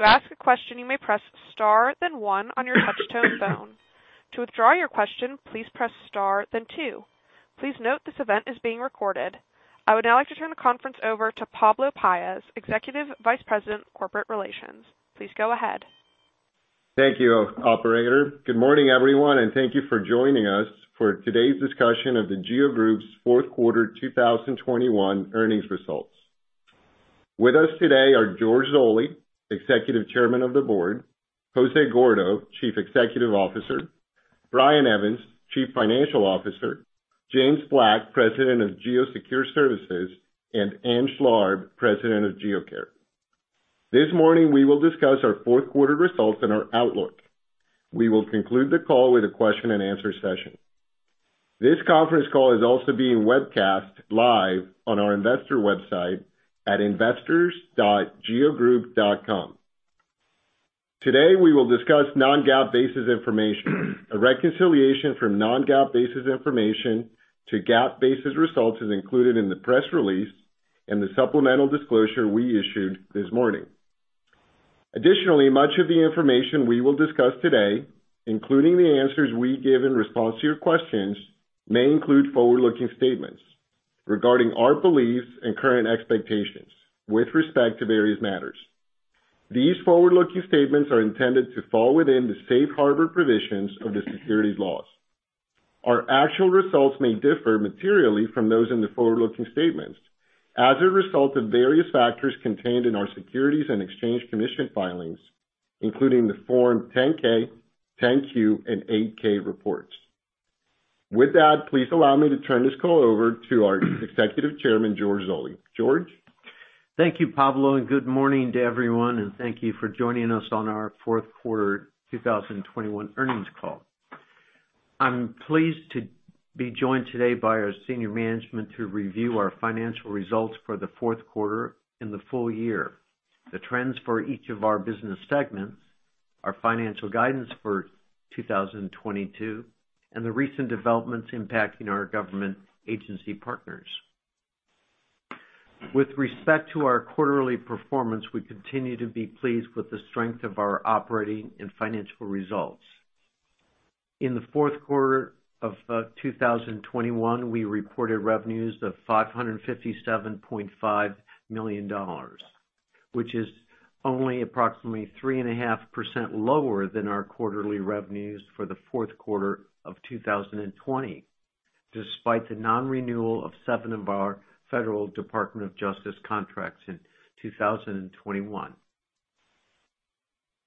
To ask a question, you may press Star then one on your touchtone phone. To withdraw your question, please press Star then two. Please note this event is being recorded. I would now like to turn the conference over to Pablo Paez, Executive Vice President, Corporate Relations. Please go ahead. Thank you, operator. Good morning, everyone, and thank you for joining us for today's discussion of The GEO Group's Q4 2021 earnings results. With us today are George Zoley, Executive Chairman of the Board, Jose Gordo, Chief Executive Officer, Brian Evans, Chief Financial Officer, James Black, President of GEO Secure Services, and Ann Schlarb, President of GEO Care. This morning, we will discuss our Q4 results and our outlook. We will conclude the call with a question-and-answer session. This conference call is also being webcast live on our investor website at investors.geogroup.com. Today, we will discuss non-GAAP basis information. A reconciliation from non-GAAP basis information to GAAP basis results is included in the press release and the supplemental disclosure we issued this morning. Additionally, much of the information we will discuss today, including the answers we give in response to your questions, may include forward-looking statements regarding our beliefs and current expectations with respect to various matters. These forward-looking statements are intended to fall within the safe harbor provisions of the securities laws. Our actual results may differ materially from those in the forward-looking statements as a result of various factors contained in our Securities and Exchange Commission filings, including the Form 10-K, 10-Q, and 8-K reports. With that, please allow me to turn this call over to our Executive Chairman, George Zoley. George? Thank you, Pablo, and good morning to everyone, and thank you for joining us on our Q4 2021 earnings call. I'm pleased to be joined today by our senior management to review our financial results for the Q4 and the full year, the trends for each of our business segments, our financial guidance for 2022, and the recent developments impacting our government agency partners. With respect to our quarterly performance, we continue to be pleased with the strength of our operating and financial results. In the Q4 of 2021, we reported revenues of $557.5 million, which is only approximately 3.5% lower than our quarterly revenues for the Q4 of 2020, despite the non-renewal of seven of our U.S. Department of Justice contracts in 2021.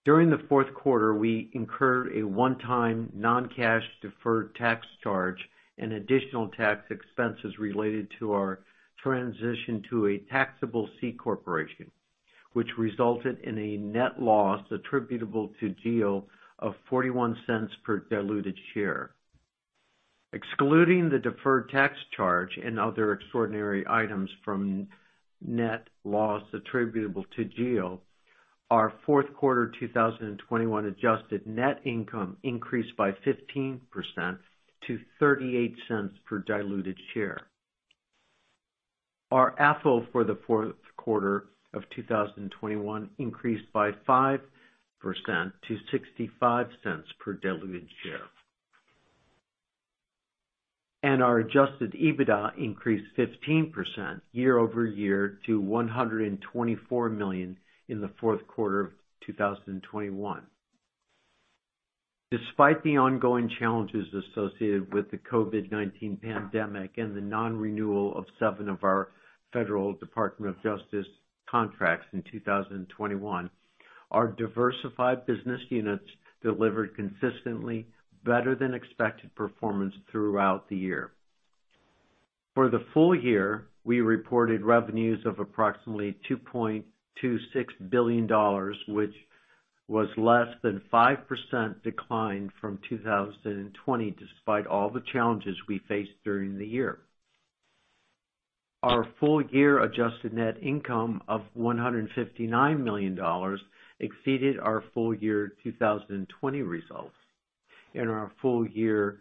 During the Q4, we incurred a one-time non-cash deferred tax charge and additional tax expenses related to our transition to a taxable C corporation, which resulted in a net loss attributable to GEO of $0.41 per diluted share. Excluding the deferred tax charge and other extraordinary items from net loss attributable to GEO, our Q4 2021 adjusted net income increased by 15% to $0.38 per diluted share. Our FFO for the Q4 of 2021 increased by 5% to $0.65 per diluted share. Our adjusted EBITDA increased 15% year-over-year to $124 million in the Q4 of 2021. Despite the ongoing challenges associated with the COVID-19 pandemic and the non-renewal of seven of our U.S. Department of Justice contracts in 2021, our diversified business units delivered consistently better than expected performance throughout the year. For the full year, we reported revenues of approximately $2.26 billion, which was less than 5% decline from 2020, despite all the challenges we faced during the year. Our full year adjusted net income of $159 million exceeded our full year 2020 results, and our full year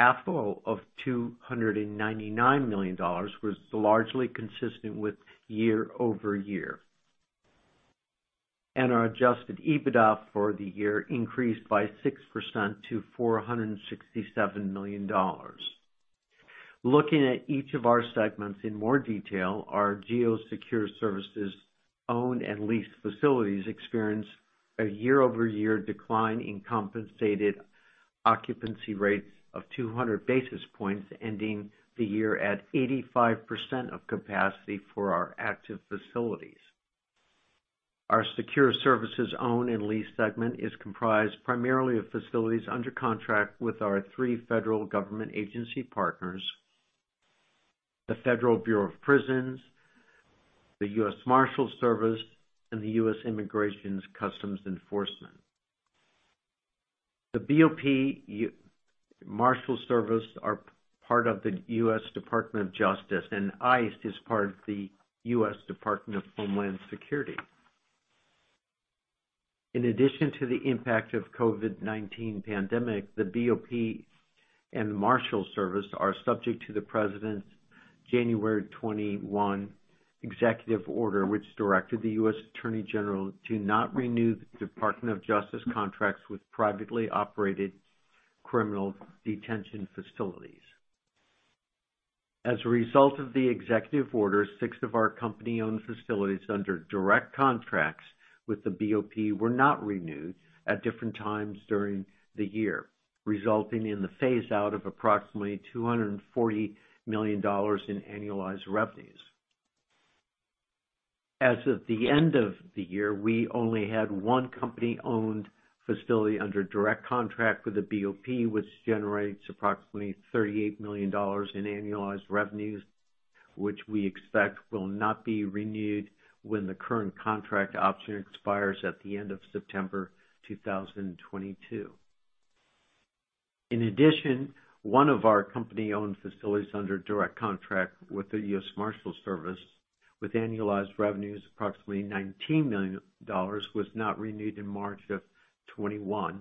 AFFO of $299 million was largely consistent with year-over-year. Our adjusted EBITDA for the year increased by 6% to $467 million. Looking at each of our segments in more detail, our GEO Secure Services owned and leased facilities experienced a year-over-year decline in compensated occupancy rates of 200 basis points, ending the year at 85% of capacity for our active facilities. Our Secure Services owned and leased segment is comprised primarily of facilities under contract with our three federal government agency partners, the Federal Bureau of Prisons, the U.S. Marshals Service, and the U.S. Immigration and Customs Enforcement. The BOP, U.S. Marshals Service are part of the U.S. Department of Justice, and ICE is part of the U.S. Department of Homeland Security. In addition to the impact of COVID-19 pandemic, the BOP and the Marshals Service are subject to the president's January 21 executive order, which directed the U.S. Attorney General to not renew the Department of Justice contracts with privately operated criminal detention facilities. As a result of the executive order, six of our company-owned facilities under direct contracts with the BOP were not renewed at different times during the year, resulting in the phase out of approximately $240 million in annualized revenues. As of the end of the year, we only had one company-owned facility under direct contract with the BOP, which generates approximately $38 million in annualized revenues, which we expect will not be renewed when the current contract option expires at the end of September 2022. In addition, one of our company-owned facilities under direct contract with the U.S. Marshals Service, with annualized revenues approximately $19 million, was not renewed in March 2021,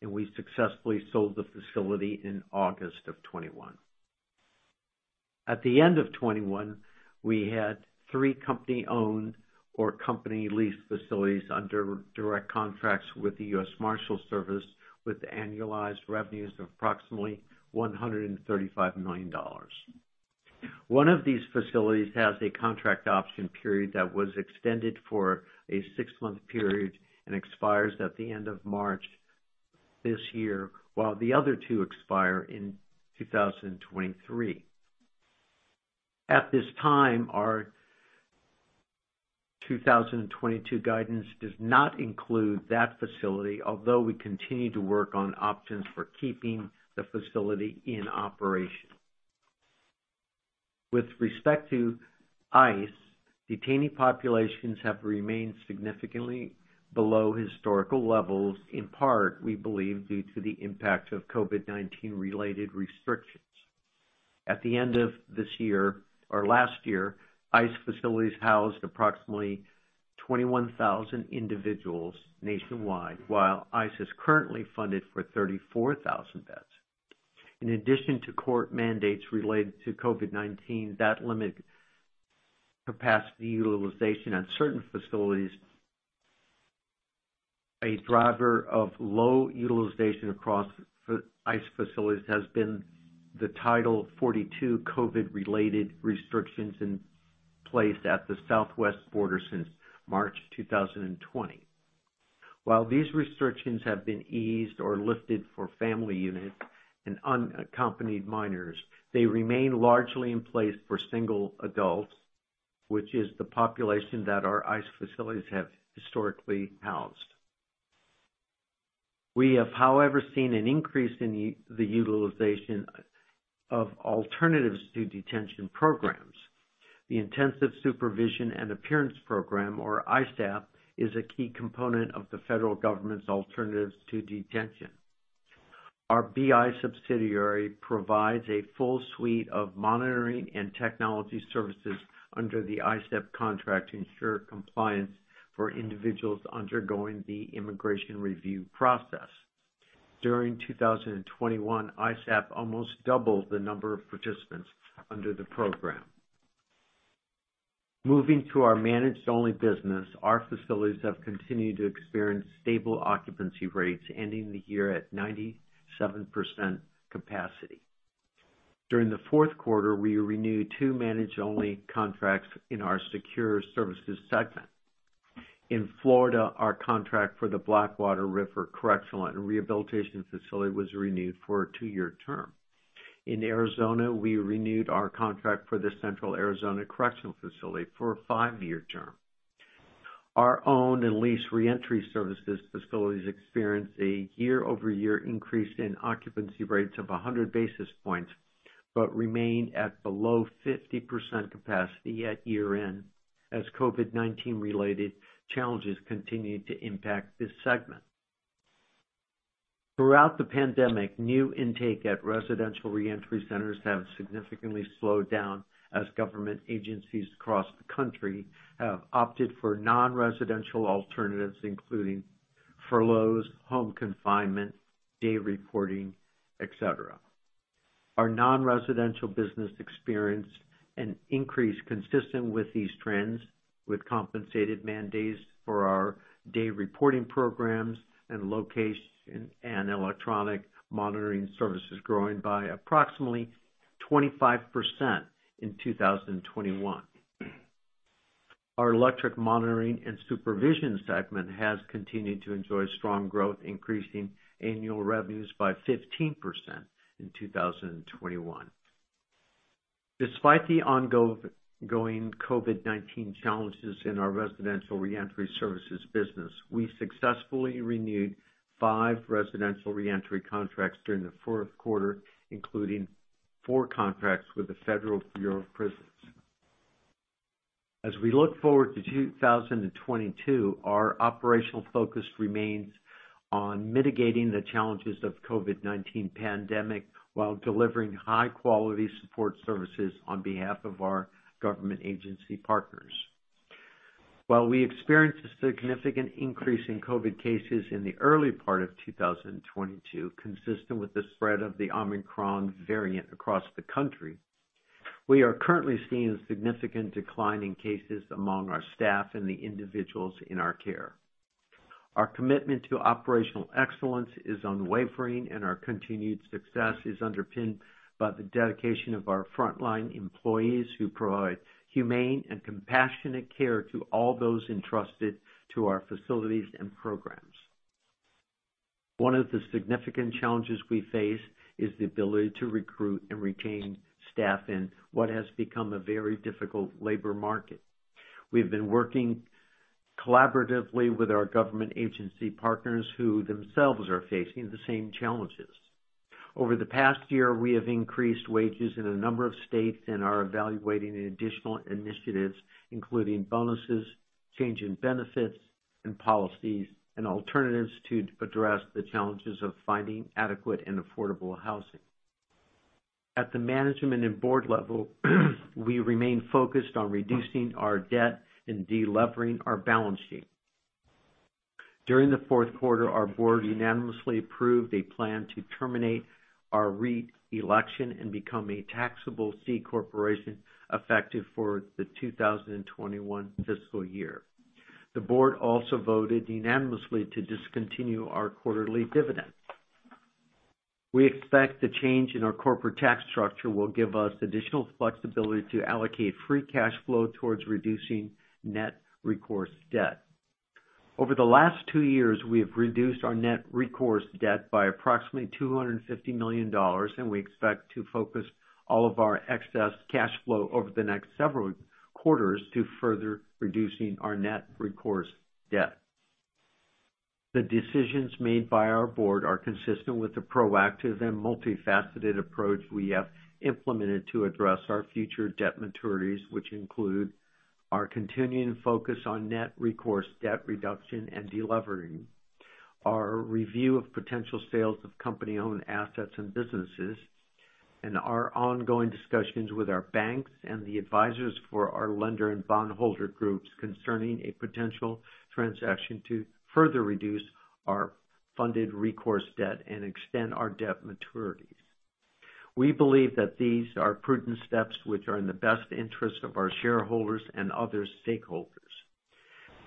and we successfully sold the facility in August 2021. At the end of 2021, we had three company-owned or company-leased facilities under direct contracts with the U.S. Marshals Service, with annualized revenues of approximately $135 million. One of these facilities has a contract option period that was extended for a six-month period and expires at the end of March this year, while the other two expire in 2023. At this time, our 2022 guidance does not include that facility, although we continue to work on options for keeping the facility in operation. With respect to ICE, detainee populations have remained significantly below historical levels, in part, we believe, due to the impact of COVID-19 related restrictions. At the end of this year or last year, ICE facilities housed approximately 21,000 individuals nationwide, while ICE is currently funded for 34,000 beds. In addition to court mandates related to COVID-19 that limit capacity utilization at certain facilities, a driver of low utilization across ICE facilities has been the Title 42 COVID-related restrictions in place at the southwest border since March 2020. While these restrictions have been eased or lifted for family units and unaccompanied minors, they remain largely in place for single adults, which is the population that our ICE facilities have historically housed. We have, however, seen an increase in the utilization of Alternatives to Detention programs. The Intensive Supervision Appearance Program, or ISAP, is a key component of the federal government's Alternatives to Detention. Our BI subsidiary provides a full suite of monitoring and technology services under the ISAP contract to ensure compliance for individuals undergoing the immigration review process. During 2021, ISAP almost doubled the number of participants under the program. Moving to our managed-only business, our facilities have continued to experience stable occupancy rates, ending the year at 97% capacity. During the Q4, we renewed two managed-only contracts in our Secure Services segment. In Florida, our contract for the Blackwater River Correctional and Rehabilitation Facility was renewed for a two-year term. In Arizona, we renewed our contract for the Central Arizona Correctional Facility for a five-year term. Our owned and leased Reentry Services facilities experienced a year-over-year increase in occupancy rates of 100 basis points, but remained at below 50% capacity at year-end as COVID-19 related challenges continued to impact this segment. Throughout the pandemic, new intake at residential reentry centers have significantly slowed down as government agencies across the country have opted for non-residential alternatives, including furloughs, home confinement, day reporting, et cetera. Our non-residential business experienced an increase consistent with these trends with compensated man-days for our day reporting programs and locational and electronic monitoring services growing by approximately 25% in 2021. Our electronic monitoring and supervision segment has continued to enjoy strong growth, increasing annual revenues by 15% in 2021. Despite the ongoing COVID-19 challenges in our residential reentry services business, we successfully renewed five residential reentry contracts during theQ4, including four contracts with the Federal Bureau of Prisons. As we look forward to 2022, our operational focus remains on mitigating the challenges of COVID-19 pandemic while delivering high-quality support services on behalf of our government agency partners. While we experienced a significant increase in COVID cases in the early part of 2022, consistent with the spread of the Omicron variant across the country, we are currently seeing a significant decline in cases among our staff and the individuals in our care. Our commitment to operational excellence is unwavering, and our continued success is underpinned by the dedication of our frontline employees who provide humane and compassionate care to all those entrusted to our facilities and programs. One of the significant challenges we face is the ability to recruit and retain staff in what has become a very difficult labor market. We've been working collaboratively with our government agency partners, who themselves are facing the same challenges. Over the past year, we have increased wages in a number of states and are evaluating additional initiatives, including bonuses, change in benefits and policies, and alternatives to address the challenges of finding adequate and affordable housing. At the management and board level, we remain focused on reducing our debt and de-levering our balance sheet. During theQ4, our board unanimously approved a plan to terminate our REIT election and become a taxable C corporation, effective for the 2021 fiscal year. The board also voted unanimously to discontinue our quarterly dividend. We expect the change in our corporate tax structure will give us additional flexibility to allocate free cash flow towards reducing net recourse debt. Over the last two years, we have reduced our net recourse debt by approximately $250 million, and we expect to focus all of our excess cash flow over the next several quarters to further reducing our net recourse debt. The decisions made by our board are consistent with the proactive and multifaceted approach we have implemented to address our future debt maturities, which include our continuing focus on net recourse debt reduction, and de-levering, our review of potential sales of company-owned assets and businesses, and our ongoing discussions with our banks and the advisors for our lender and bondholder groups concerning a potential transaction to further reduce our funded recourse debt and extend our debt maturities. We believe that these are prudent steps which are in the best interest of our shareholders and other stakeholders.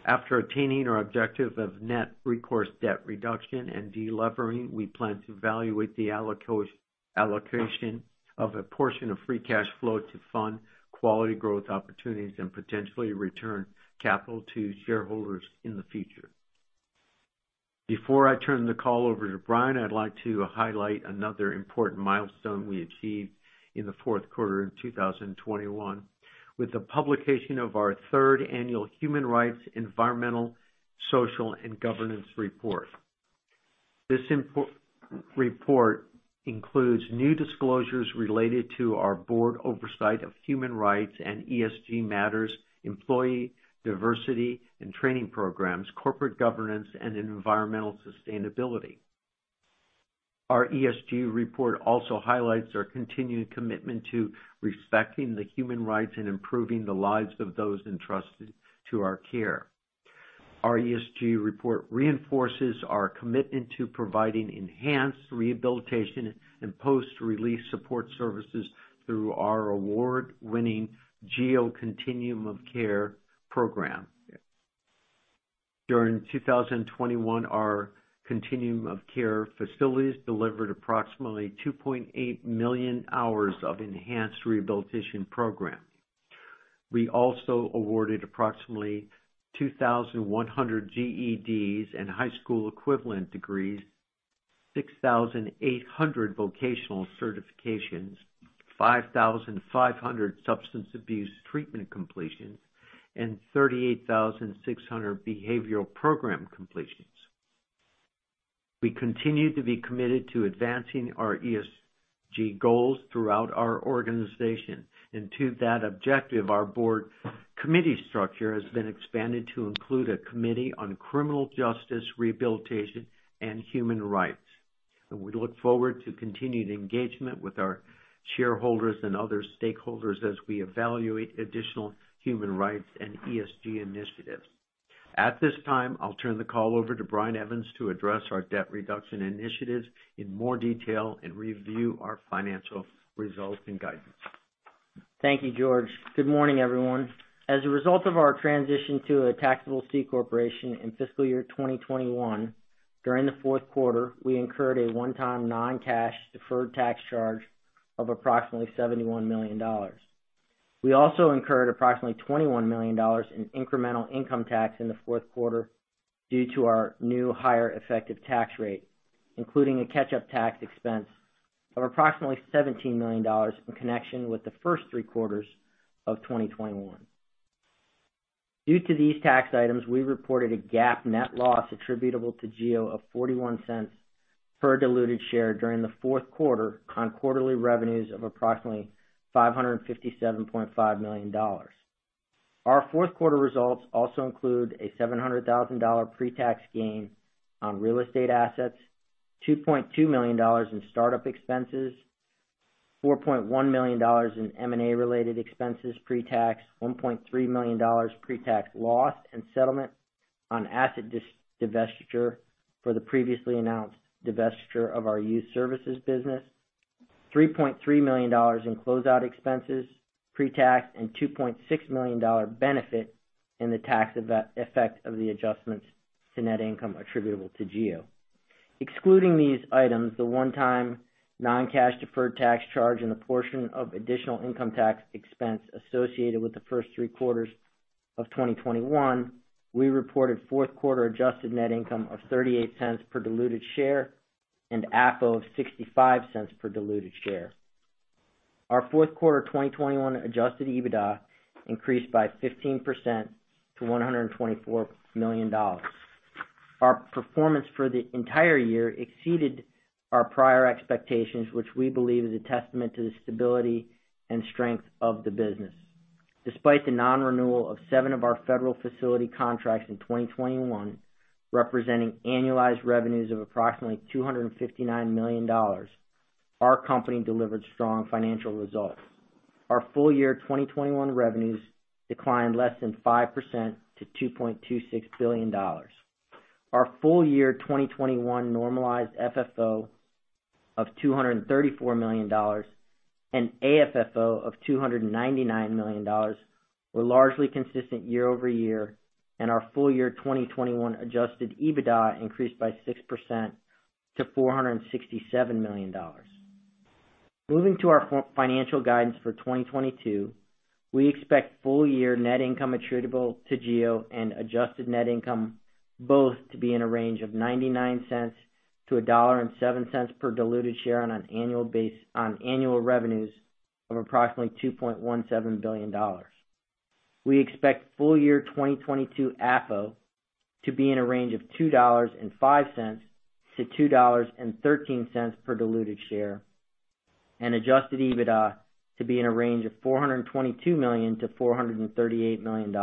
After attaining our objective of net recourse, debt reduction, and de-levering, we plan to evaluate the allocation of a portion of free cash flow to fund quality growth opportunities and potentially return capital to shareholders in the future. Before I turn the call over to Brian, I'd like to highlight another important milestone we achieved in theQ4 in 2021 with the publication of our third annual Human Rights, Environmental, Social, and Governance Report. This report includes new disclosures related to our board oversight of human rights and ESG matters, employee diversity and training programs, corporate governance, and environmental sustainability. Our ESG report also highlights our continued commitment to respecting the human rights and improving the lives of those entrusted to our care. Our ESG report reinforces our commitment to providing enhanced rehabilitation and post-release support services through our award-winning GEO Continuum of Care program. During 2021, our Continuum of Care facilities delivered approximately 2.8 million hours of enhanced rehabilitation programs. We also awarded approximately 2,100 GEDs and high school equivalent degrees, 6,800 vocational certifications, 5,500 substance abuse treatment completions, and 38,600 behavioral program completions. We continue to be committed to advancing our ESG goals throughout our organization. To that objective, our board committee structure has been expanded to include a committee on criminal justice, rehabilitation, and human rights. We look forward to continued engagement with our shareholders and other stakeholders as we evaluate additional human rights and ESG initiatives. At this time, I'll turn the call over to Brian Evans to address our debt reduction initiatives in more detail and review our financial results and guidance. Thank you, George. Good morning, everyone. As a result of our transition to a taxable C corporation in fiscal year 2021, during theQ4, we incurred a one-time non-cash deferred tax charge of approximately $71 million. We also incurred approximately $21 million in incremental income tax in theQ4 due to our new, higher effective tax rate, including a catch-up tax expense of approximately $17 million in connection with the first three quarters of 2021. Due to these tax items, we reported a GAAP net loss attributable to GEO of $0.41 per diluted share during the Q4 on quarterly revenues of approximately $557.5 million. OurQ4 results also include a $700,000 pre-tax gain on real estate assets, $2.2 million in startup expenses, $4.1 million in M&A related expenses pre-tax, $1.3 million pre-tax loss and settlement on asset divestiture for the previously announced divestiture of our youth services business, $3.3 million in closeout expenses pre-tax, and $2.6 million benefit in the tax effect of the adjustments to net income attributable to GEO. Excluding these items, the one-time non-cash deferred tax charge, and the portion of additional income tax expense associated with the first three quarters of 2021, we reported Q4 adjusted net income of $0.38 per diluted share and AFFO of $0.65 per diluted share. Our Q4 2021 adjusted EBITDA increased by 15% to $124 million. Our performance for the entire year exceeded our prior expectations, which we believe is a testament to the stability and strength of the business. Despite the non-renewal of seven of our federal facility contracts in 2021, representing annualized revenues of approximately $259 million, our company delivered strong financial results. Our full year 2021 revenues declined less than 5% to $2.26 billion. Our full year 2021 normalized FFO of $234 million and AFFO of $299 million were largely consistent year-over-year, and our full year 2021 adjusted EBITDA increased by 6% to $467 million. Moving to our financial guidance for 2022, we expect full-year net income attributable to GEO and adjusted net income both to be in a range of $0.99-$1.07 per diluted share on annual revenues of approximately $2.17 billion. We expect full-year 2022 AFFO to be in a range of $2.05-$2.13 per diluted share, and adjusted EBITDA to be in a range of $422 million-$438 million.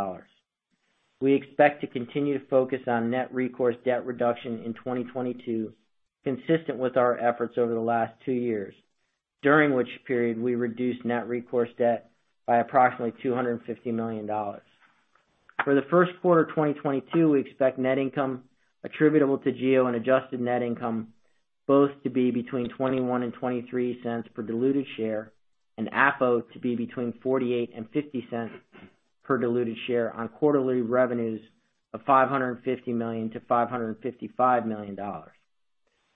We expect to continue to focus on net recourse debt reduction in 2022, consistent with our efforts over the last two years, during which period we reduced net recourse debt by approximately $250 million. For the Q1 of 2022, we expect net income attributable to GEO and adjusted net income both to be between 21 and 23 cents per diluted share, and AFFO to be between 48 and 50 cents per diluted share on quarterly revenues of $550 million-$555 million.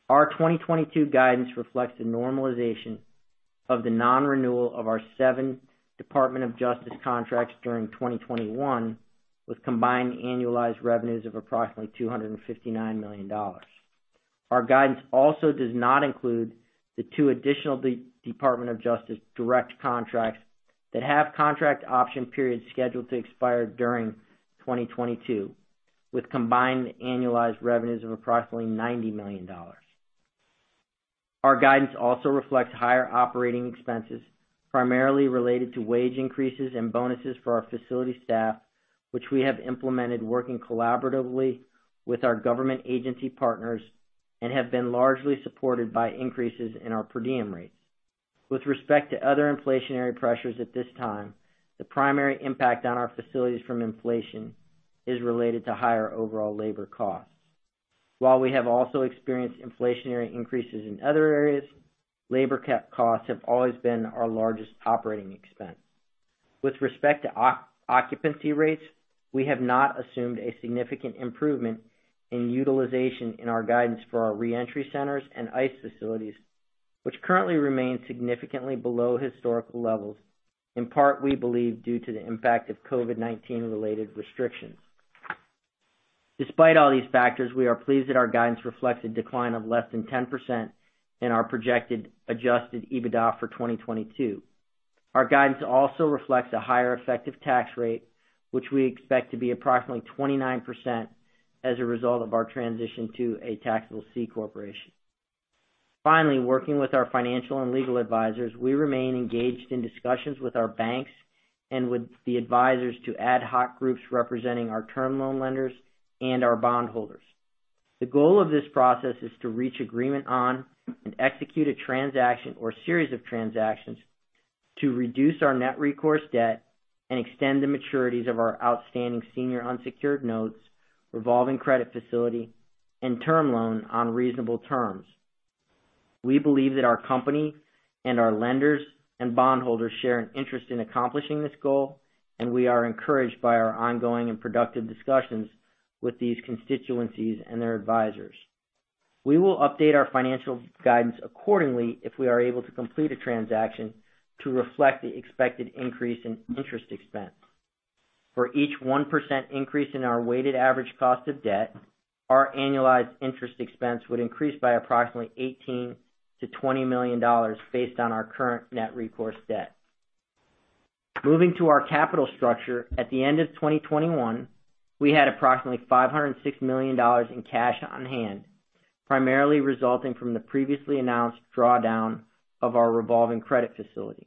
Our 2022 guidance reflects the normalization of the non-renewal of our seven Department of Justice contracts during 2021, with combined annualized revenues of approximately $259 million. Our guidance also does not include the two additional Department of Justice direct contracts that have contract option periods scheduled to expire during 2022, with combined annualized revenues of approximately $90 million. Our guidance also reflects higher operating expenses, primarily related to wage increases and bonuses for our facility staff, which we have implemented working collaboratively with our government agency partners and have been largely supported by increases in our per diem rates. With respect to other inflationary pressures, at this time, the primary impact on our facilities from inflation is related to higher overall labor costs. While we have also experienced inflationary increases in other areas, labor costs have always been our largest operating expense. With respect to occupancy rates, we have not assumed a significant improvement in utilization in our guidance for our reentry centers and ICE facilities, which currently remain significantly below historical levels, in part, we believe, due to the impact of COVID-19 related restrictions. Despite all these factors, we are pleased that our guidance reflects a decline of less than 10% in our projected adjusted EBITDA for 2022. Our guidance also reflects a higher effective tax rate, which we expect to be approximately 29% as a result of our transition to a taxable C corporation. Finally, working with our financial and legal advisors, we remain engaged in discussions with our banks and with the advisors to ad hoc groups representing our term loan lenders and our bondholders. The goal of this process is to reach agreement on and execute a transaction or series of transactions to reduce our net recourse debt and extend the maturities of our outstanding senior unsecured notes, revolving credit facility, and term loan on reasonable terms. We believe that our company and our lenders and bondholders share an interest in accomplishing this goal, and we are encouraged by our ongoing and productive discussions with these constituencies and their advisors. We will update our financial guidance accordingly if we are able to complete a transaction to reflect the expected increase in interest expense. For each 1% increase in our weighted average cost of debt, our annualized interest expense would increase by approximately $18 million-$20 million based on our current net recourse debt. Moving to our capital structure, at the end of 2021, we had approximately $506 million in cash on hand, primarily resulting from the previously announced drawdown of our revolving credit facility.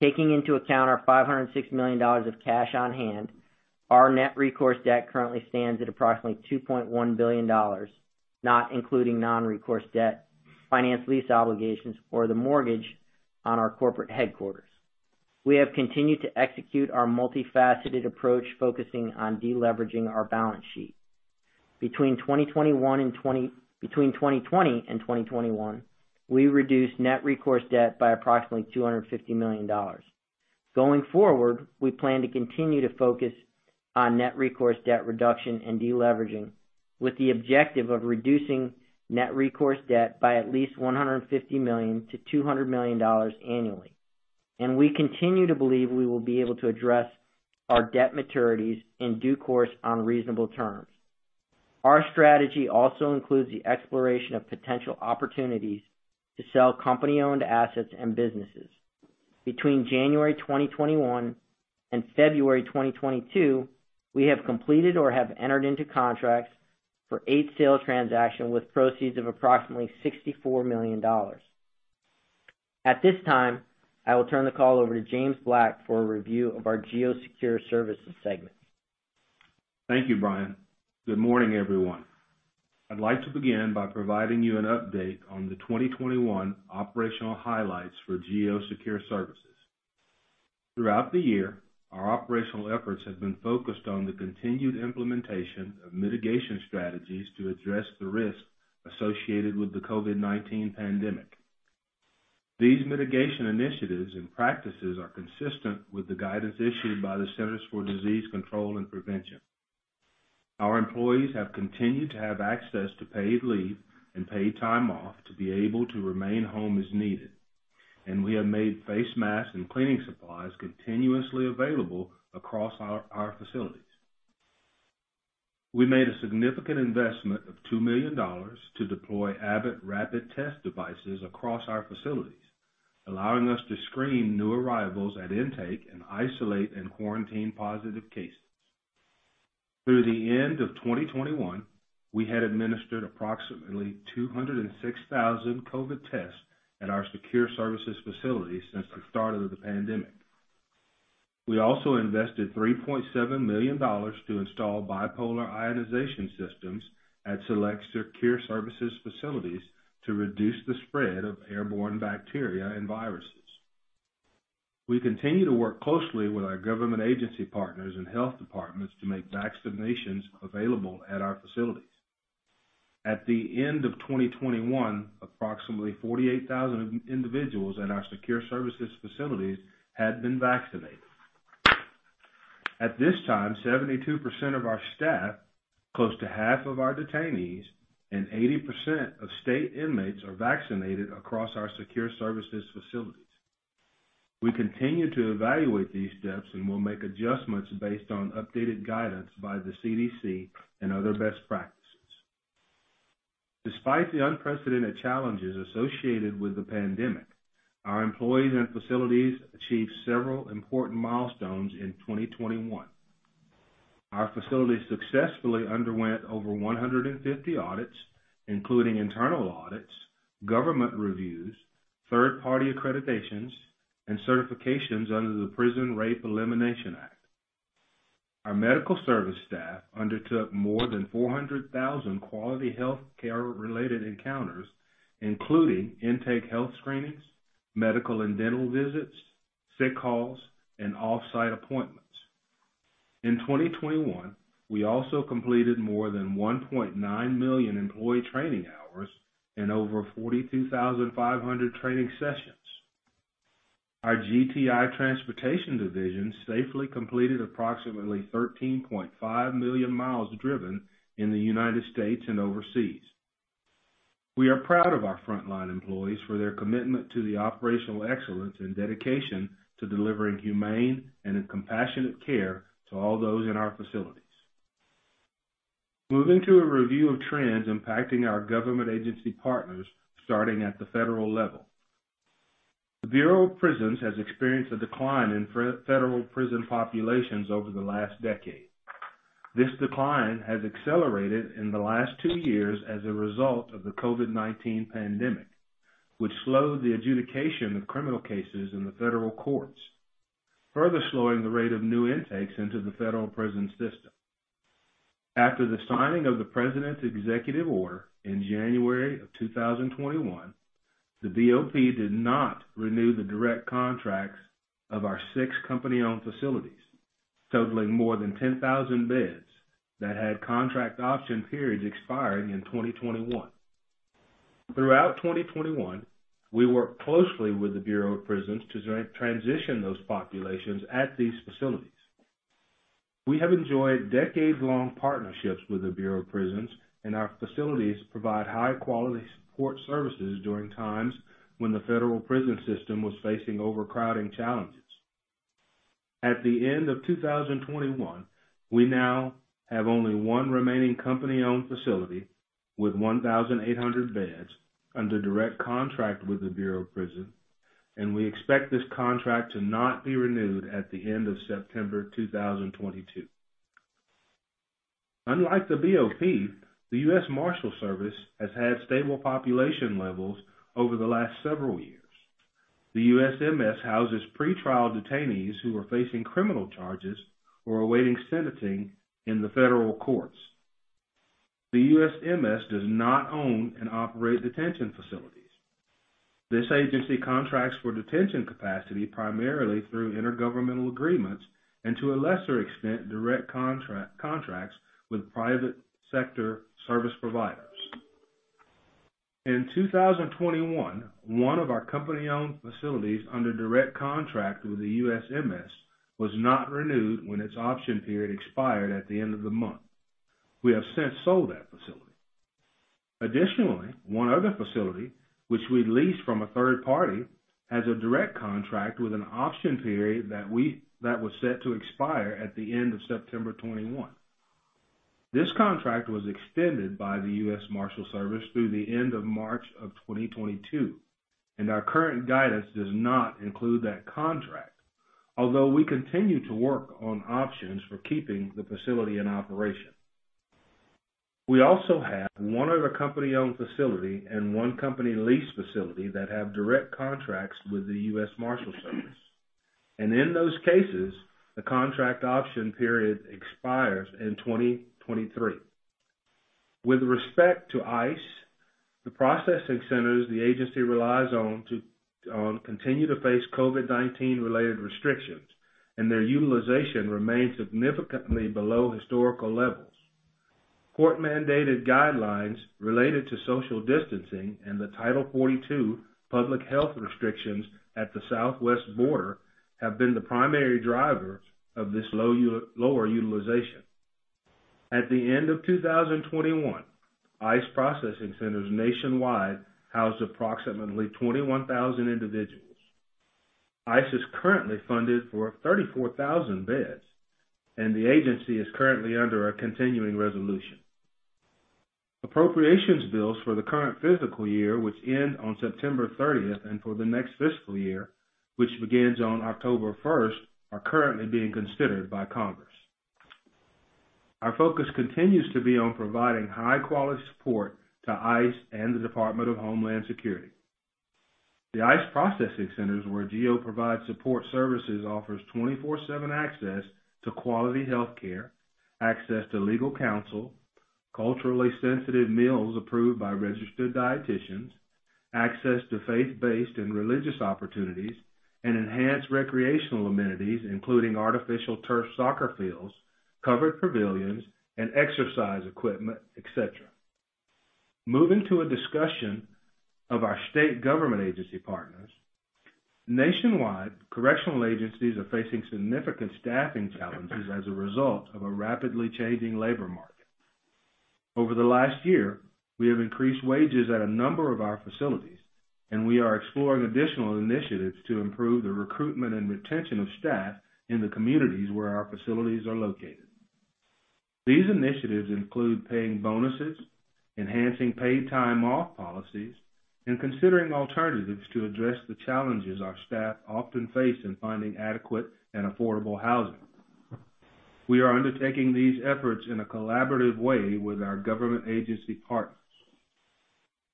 Taking into account our $506 million of cash on hand, our net recourse debt currently stands at approximately $2.1 billion, not including non-recourse debt, finance lease obligations or the mortgage on our corporate headquarters. We have continued to execute our multifaceted approach, focusing on de-leveraging our balance sheet. Between 2020 and 2021, we reduced net recourse debt by approximately $250 million. Going forward, we plan to continue to focus on net recourse debt reduction and deleveraging with the objective of reducing net recourse debt by at least $150 million-$200 million annually. We continue to believe we will be able to address our debt maturities in due course on reasonable terms. Our strategy also includes the exploration of potential opportunities to sell company-owned assets and businesses. Between January 2021 and February 2022, we have completed or have entered into contracts for eight sales transactions with proceeds of approximately $64 million. At this time, I will turn the call over to James Black for a review of our GEO Secure Services segment. Thank you, Brian. Good morning, everyone. I'd like to begin by providing you an update on the 2021 operational highlights for GEO Secure Services. Throughout the year, our operational efforts have been focused on the continued implementation of mitigation strategies to address the risk associated with the COVID-19 pandemic. These mitigation initiatives and practices are consistent with the guidance issued by the Centers for Disease Control and Prevention. Our employees have continued to have access to paid leave and paid time off to be able to remain home as needed, and we have made face masks and cleaning supplies continuously available across our facilities. We made a significant investment of $2 million to deploy Abbott rapid test devices across our facilities, allowing us to screen new arrivals at intake and isolate and quarantine positive cases. Through the end of 2021, we had administered approximately 206,000 COVID tests at our secure services facility since the start of the pandemic. We also invested $3.7 million to install bipolar ionization systems at select secure services facilities to reduce the spread of airborne bacteria and viruses. We continue to work closely with our government agency partners and health departments to make vaccinations available at our facilities. At the end of 2021, approximately 48,000 individuals in our secure services facilities had been vaccinated. At this time, 72% of our staff, close to half of our detainees, and 80% of state inmates are vaccinated across our secure services facilities. We continue to evaluate these steps and will make adjustments based on updated guidance by the CDC and other best practices. Despite the unprecedented challenges associated with the pandemic, our employees and facilities achieved several important milestones in 2021. Our facilities successfully underwent over 150 audits, including internal audits, government reviews, third-party accreditations, and certifications under the Prison Rape Elimination Act. Our medical service staff undertook more than 400,000 quality healthcare-related encounters, including intake, health screenings, medical and dental visits, sick calls, and off-site appointments. In 2021, we also completed more than 1.9 million employee training hours and over 42,500 training sessions. Our GTI transportation division safely completed approximately 13.5 million miles driven in the United States and overseas. We are proud of our frontline employees for their commitment to the operational excellence and dedication to delivering humane and compassionate care to all those in our facilities. Moving to a review of trends impacting our government agency partners, starting at the federal level. The Bureau of Prisons has experienced a decline in federal prison populations over the last decade. This decline has accelerated in the last two years as a result of the COVID-19 pandemic, which slowed the adjudication of criminal cases in the federal courts, further slowing the rate of new intakes into the federal prison system. After the signing of the President's executive order in January of 2021, the BOP did not renew the direct contracts of our six company-owned facilities, totaling more than 10,000 beds that had contract option periods expiring in 2021. Throughout 2021, we worked closely with the Bureau of Prisons to transition those populations at these facilities. We have enjoyed decades-long partnerships with the Bureau of Prisons, and our facilities provide high-quality support services during times when the federal prison system was facing overcrowding challenges. At the end of 2021, we now have only one remaining company-owned facility with 1,800 beds under direct contract with the Bureau of Prisons, and we expect this contract to not be renewed at the end of September 2022. Unlike the BOP, the U.S. Marshals Service has had stable population levels over the last several years. The USMS houses pretrial detainees who are facing criminal charges or awaiting sentencing in the federal courts. The USMS does not own and operate detention facilities. This agency contracts for detention capacity primarily through intergovernmental agreements and to a lesser extent, direct contracts with private sector service providers. In 2021, one of our company-owned facilities under direct contract with the USMS was not renewed when its option period expired at the end of the month. We have since sold that facility. Additionally, one other facility, which we lease from a third party, has a direct contract with an option period that was set to expire at the end of September 2021. This contract was extended by the U.S. Marshals Service through the end of March 2022, and our current guidance does not include that contract, although we continue to work on options for keeping the facility in operation. We also have one other company-owned facility and one company-leased facility that have direct contracts with the U.S. Marshals Service, and in those cases, the contract option period expires in 2023. With respect to ICE, the processing centers the agency relies on to continue to face COVID-19 related restrictions and their utilization remains significantly below historical levels. Court-mandated guidelines related to social distancing and the Title 42 public health restrictions at the southwest border have been the primary drivers of this lower utilization. At the end of 2021, ICE processing centers nationwide housed approximately 21,000 individuals. ICE is currently funded for 34,000 beds, and the agency is currently under a continuing resolution. Appropriations bills for the current fiscal year, which end on September 13th, and for the next fiscal year, which begins on October 1st, are currently being considered by Congress. Our focus continues to be on providing high-quality support to ICE and the Department of Homeland Security. The ICE processing centers, where GEO provides support services, offer 24/7 access to quality healthcare, access to legal counsel, culturally sensitive meals approved by registered dietitians, access to faith-based and religious opportunities, and enhanced recreational amenities, including artificial turf soccer fields, covered pavilions, and exercise equipment, et cetera. Moving to a discussion of our state government agency partners. Nationwide, correctional agencies are facing significant staffing challenges as a result of a rapidly changing labor market. Over the last year, we have increased wages at a number of our facilities, and we are exploring additional initiatives to improve the recruitment and retention of staff in the communities where our facilities are located. These initiatives include paying bonuses, enhancing paid time off policies, and considering alternatives to address the challenges our staff often face in finding adequate and affordable housing. We are undertaking these efforts in a collaborative way with our government agency partners.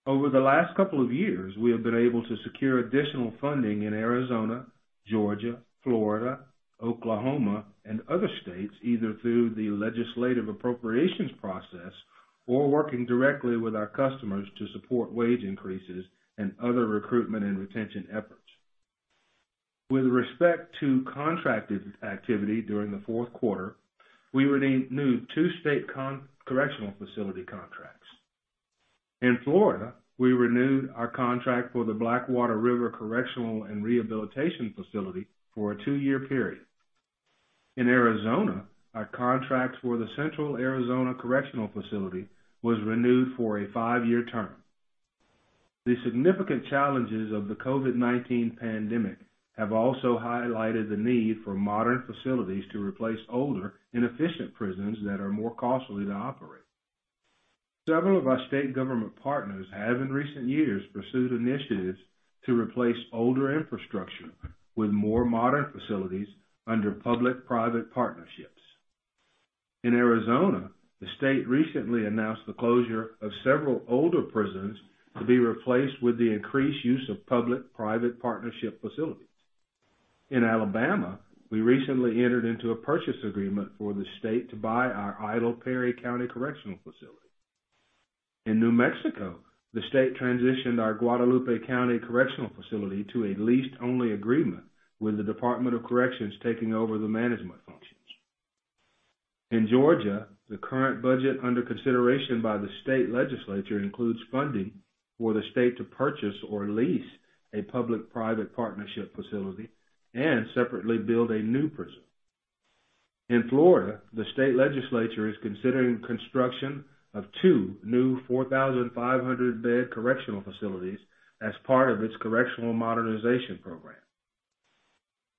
Over the last couple of years, we have been able to secure additional funding in Arizona, Georgia, Florida, Oklahoma, and other states, either through the legislative appropriations process or working directly with our customers to support wage increases and other recruitment and retention efforts. With respect to contracted activity during the Q4, we renewed two state correctional facility contracts. In Florida, we renewed our contract for the Blackwater River Correctional and Rehabilitation Facility for a two-year period. In Arizona, our contract for the Central Arizona Correctional Facility was renewed for a five-year term. The significant challenges of the COVID-19 pandemic have also highlighted the need for modern facilities to replace older, inefficient prisons that are more costly to operate. Several of our state government partners have in recent years pursued initiatives to replace older infrastructure with more modern facilities under public-private partnerships. In Arizona, the state recently announced the closure of several older prisons to be replaced with the increased use of public-private partnership facilities. In Alabama, we recently entered into a purchase agreement for the state to buy our idle Perry County Correctional Facility. In New Mexico, the state transitioned our Guadalupe County Correctional Facility to a lease-only agreement, with the Department of Corrections taking over the management functions. In Georgia, the current budget under consideration by the state legislature includes funding for the state to purchase or lease a public-private partnership facility and separately build a new prison. In Florida, the state legislature is considering construction of two new 4,500-bed correctional facilities as part of its correctional modernization program.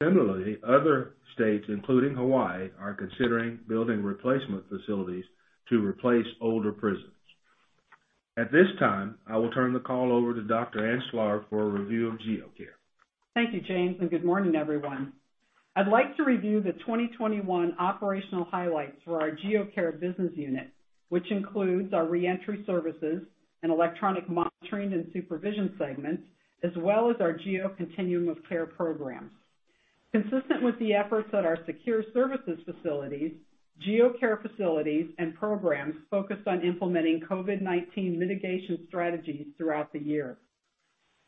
Similarly, other states, including Hawaii, are considering building replacement facilities to replace older prisons. At this time, I will turn the call over to Dr. Ann Schlarb for a review of GEO Care. Thank you, James, and good morning, everyone. I'd like to review the 2021 operational highlights for our GEO Care business unit, which includes our reentry services and electronic monitoring and supervision segments, as well as our GEO Continuum of Care programs. Consistent with the efforts at our Secure Services facilities, GEO Care facilities and programs focused on implementing COVID-19 mitigation strategies throughout the year.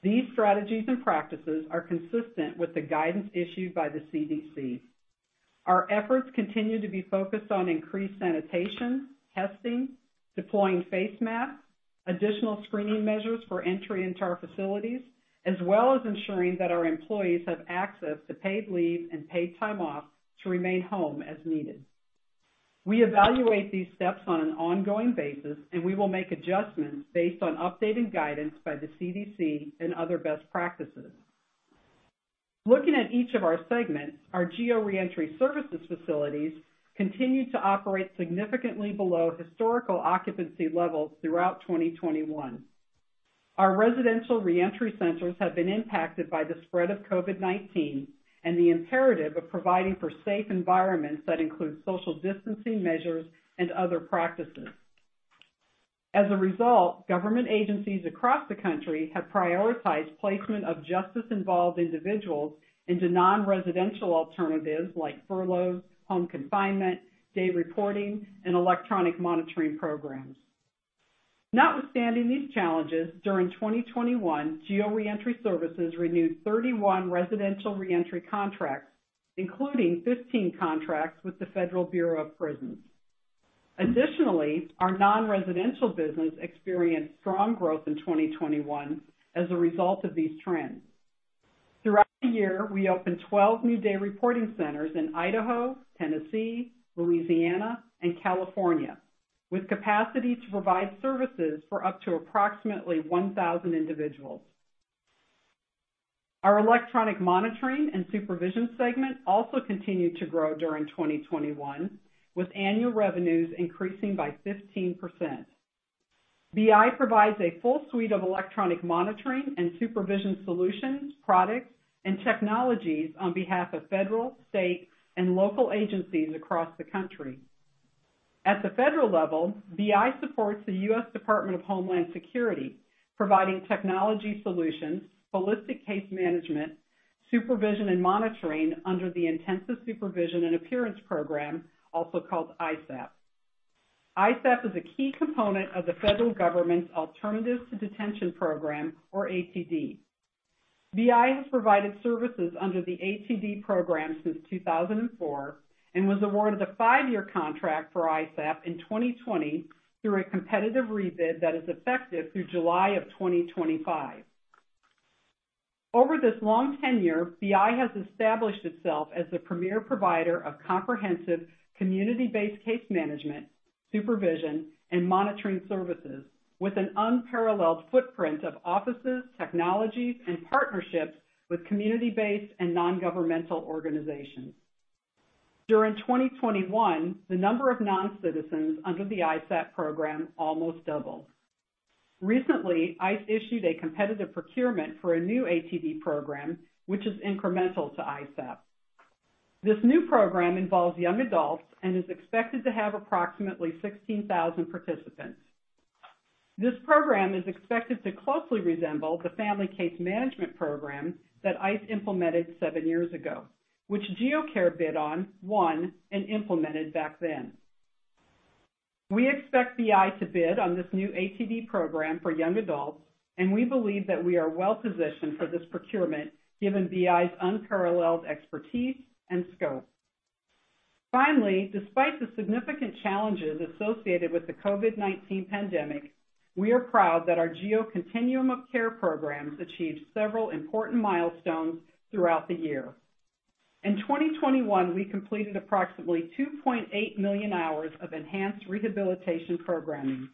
These strategies and practices are consistent with the guidance issued by the CDC. Our efforts continue to be focused on increased sanitation, testing, deploying face masks, additional screening measures for entry into our facilities, as well as ensuring that our employees have access to paid leave and paid time off to remain home as needed. We evaluate these steps on an ongoing basis, and we will make adjustments based on updated guidance by the CDC and other best practices. Looking at each of our segments, our GEO Reentry Services facilities continued to operate significantly below historical occupancy levels throughout 2021. Our residential reentry centers have been impacted by the spread of COVID-19 and the imperative of providing for safe environments that include social distancing measures and other practices. As a result, government agencies across the country have prioritized placement of justice-involved individuals into non-residential alternatives like furloughs, home confinement, day reporting, and electronic monitoring programs. Notwithstanding these challenges, during 2021, GEO Reentry Services renewed 31 residential reentry contracts, including 15 contracts with the Federal Bureau of Prisons. Additionally, our non-residential business experienced strong growth in 2021 as a result of these trends. Throughout the year, we opened 12 new day reporting centers in Idaho, Tennessee, Louisiana, and California, with capacity to provide services for up to approximately 1,000 individuals. Our electronic monitoring and supervision segment also continued to grow during 2021, with annual revenues increasing by 15%. BI provides a full suite of electronic monitoring and supervision solutions, products, and technologies on behalf of federal, state, and local agencies across the country. At the federal level, BI supports the U.S. Department of Homeland Security, providing technology solutions, holistic case management, supervision, and monitoring under the Intensive Supervision and Appearance Program, also called ISAP. ISAP is a key component of the federal government's Alternative to Detention program, or ATD. BI has provided services under the ATD program since 2004, and was awarded a five-year contract for ISAP in 2020 through a competitive rebid that is effective through July 2025. Over this long tenure, BI has established itself as the premier provider of comprehensive community-based case management, supervision, and monitoring services with an unparalleled footprint of offices, technologies, and partnerships with community-based and non-governmental organizations. During 2021, the number of non-citizens under the ISAP program almost doubled. Recently, ICE issued a competitive procurement for a new ATD program, which is incremental to ISAP. This new program involves young adults and is expected to have approximately 16,000 participants. This program is expected to closely resemble the Family Case Management Program that ICE implemented seven years ago, which GEO Care bid on, won, and implemented back then. We expect BI to bid on this new ATD program for young adults, and we believe that we are well positioned for this procurement, given BI's unparalleled expertise and scope. Finally, despite the significant challenges associated with the COVID-19 pandemic, we are proud that our GEO Continuum of Care programs achieved several important milestones throughout the year. In 2021, we completed approximately 2.8 million hours of enhanced rehabilitation programming.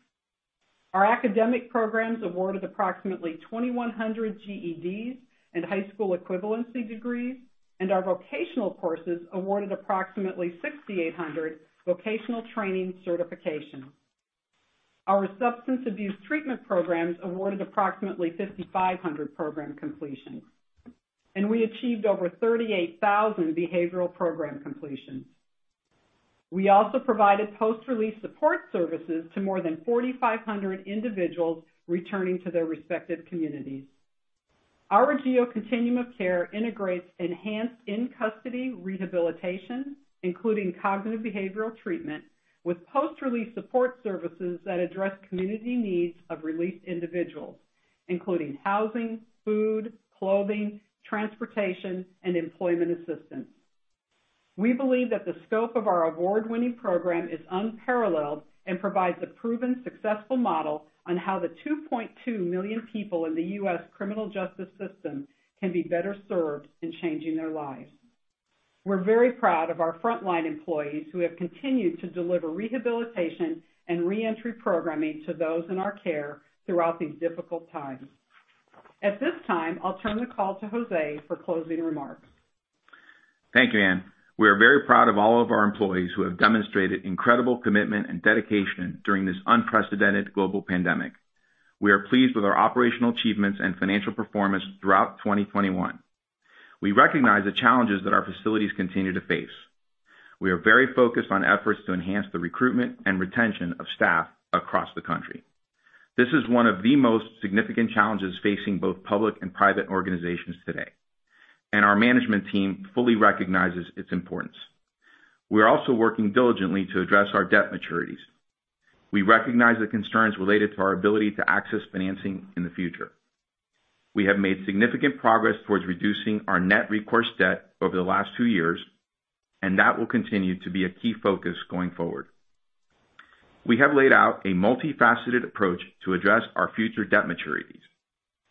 Our academic programs awarded approximately 2,100 GEDs and high school equivalency degrees, and our vocational courses awarded approximately 6,800 vocational training certifications. Our substance abuse treatment programs awarded approximately 5,500 program completions, and we achieved over 38,000 behavioral program completions. We also provided post-release support services to more than 4,500 individuals returning to their respective communities. Our GEO Continuum of Care integrates enhanced in-custody rehabilitation, including cognitive behavioral treatment, with post-release support services that address community needs of released individuals, including housing, food, clothing, transportation, and employment assistance. We believe that the scope of our award-winning program is unparalleled and provides a proven, successful model on how the 2.2 million people in the U.S. criminal justice system can be better served in changing their lives. We're very proud of our frontline employees who have continued to deliver rehabilitation and reentry programming to those in our care throughout these difficult times. At this time, I'll turn the call to Jose for closing remarks. Thank you, Anne. We are very proud of all of our employees who have demonstrated incredible commitment and dedication during this unprecedented global pandemic. We are pleased with our operational achievements and financial performance throughout 2021. We recognize the challenges that our facilities continue to face. We are very focused on efforts to enhance the recruitment and retention of staff across the country. This is one of the most significant challenges facing both public and private organizations today, and our management team fully recognizes its importance. We are also working diligently to address our debt maturities. We recognize the concerns related to our ability to access financing in the future. We have made significant progress towards reducing our net recourse debt over the last two years, and that will continue to be a key focus going forward. We have laid out a multifaceted approach to address our future debt maturities,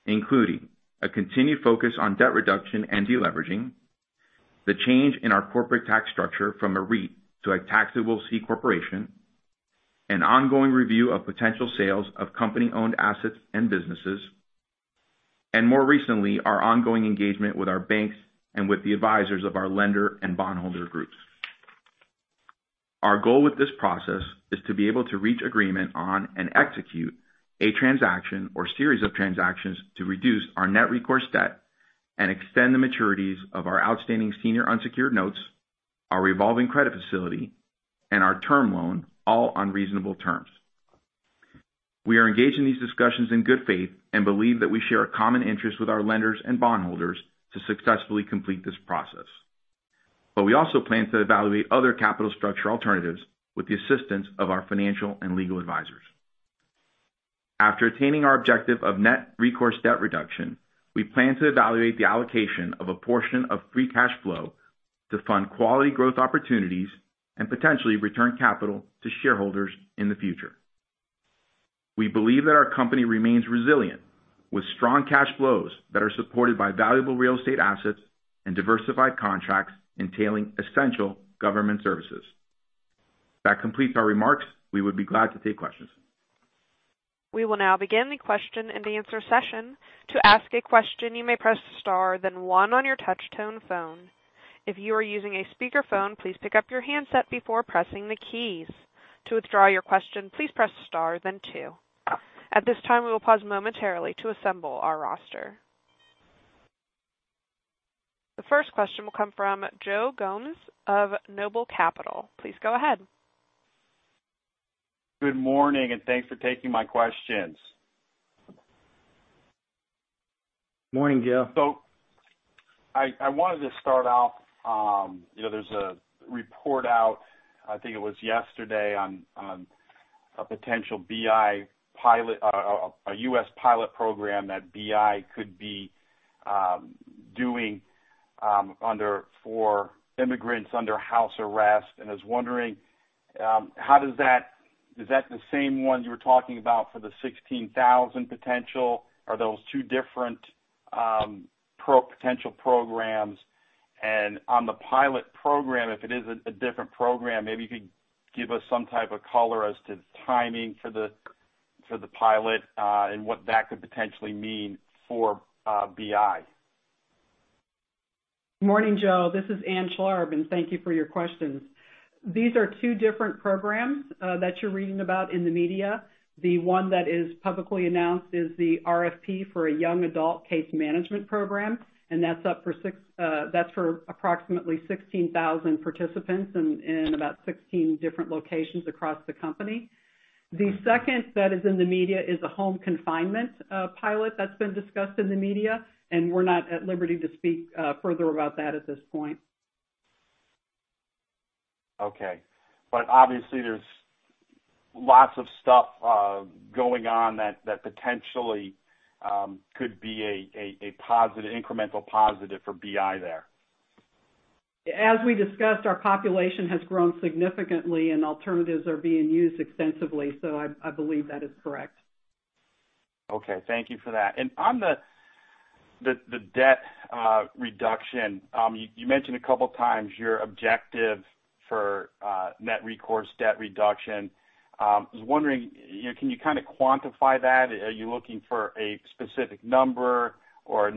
including a continued focus on debt reduction and deleveraging, the change in our corporate tax structure from a REIT to a taxable C corporation, an ongoing review of potential sales of company-owned assets and businesses, and more recently, our ongoing engagement with our banks and with the advisors of our lender and bondholder groups. Our goal with this process is to be able to reach agreement on and execute a transaction or series of transactions to reduce our net recourse debt and extend the maturities of our outstanding senior unsecured notes, our revolving credit facility, and our term loan, all on reasonable terms. We are engaged in these discussions in good faith and believe that we share a common interest with our lenders and bondholders to successfully complete this process. We also plan to evaluate other capital structure alternatives with the assistance of our financial and legal advisors. After attaining our objective of net recourse debt reduction, we plan to evaluate the allocation of a portion of free cash flow to fund quality growth opportunities and potentially return capital to shareholders in the future. We believe that our company remains resilient, with strong cash flows that are supported by valuable real estate assets and diversified contracts entailing essential government services. That completes our remarks. We would be glad to take questions. We will now begin the question-and-answer session. To ask a question, you may press star, then one on your touchtone phone. If you are using a speakerphone, please pick up your handset before pressing the keys. To withdraw your question, please press star, then two. At this time, we will pause momentarily to assemble our roster. The first question will come from Joe Gomes of Noble Capital. Please go ahead. Good morning, and thanks for taking my questions. Morning, Joe. I wanted to start off, you know, there's a report out, I think it was yesterday, on a potential BI pilot. A U.S. pilot program that BI could be doing for immigrants under house arrest. I was wondering, is that the same one you were talking about for the 16,000 potential? Are those two different potential programs? On the pilot program, if it is a different program, maybe you could give us some type of color as to timing for the pilot, and what that could potentially mean for BI. Morning, Joe. This is Ann Schlarb, and thank you for your questions. These are two different programs that you're reading about in the media. The one that is publicly announced is the RFP for a young adult case management program, and that's for approximately 16,000 participants in about 16 different locations across the company. The second that is in the media is a home confinement pilot that's been discussed in the media, and we're not at liberty to speak further about that at this point. Okay. Obviously there's lots of stuff going on that potentially could be a positive, incremental positive for BI there. As we discussed, our population has grown significantly and alternatives are being used extensively. I believe that is correct. Okay. Thank you for that. On the debt reduction, you mentioned a couple times your objective for net recourse debt reduction. I was wondering, you know, can you kinda quantify that? Are you looking for a specific number or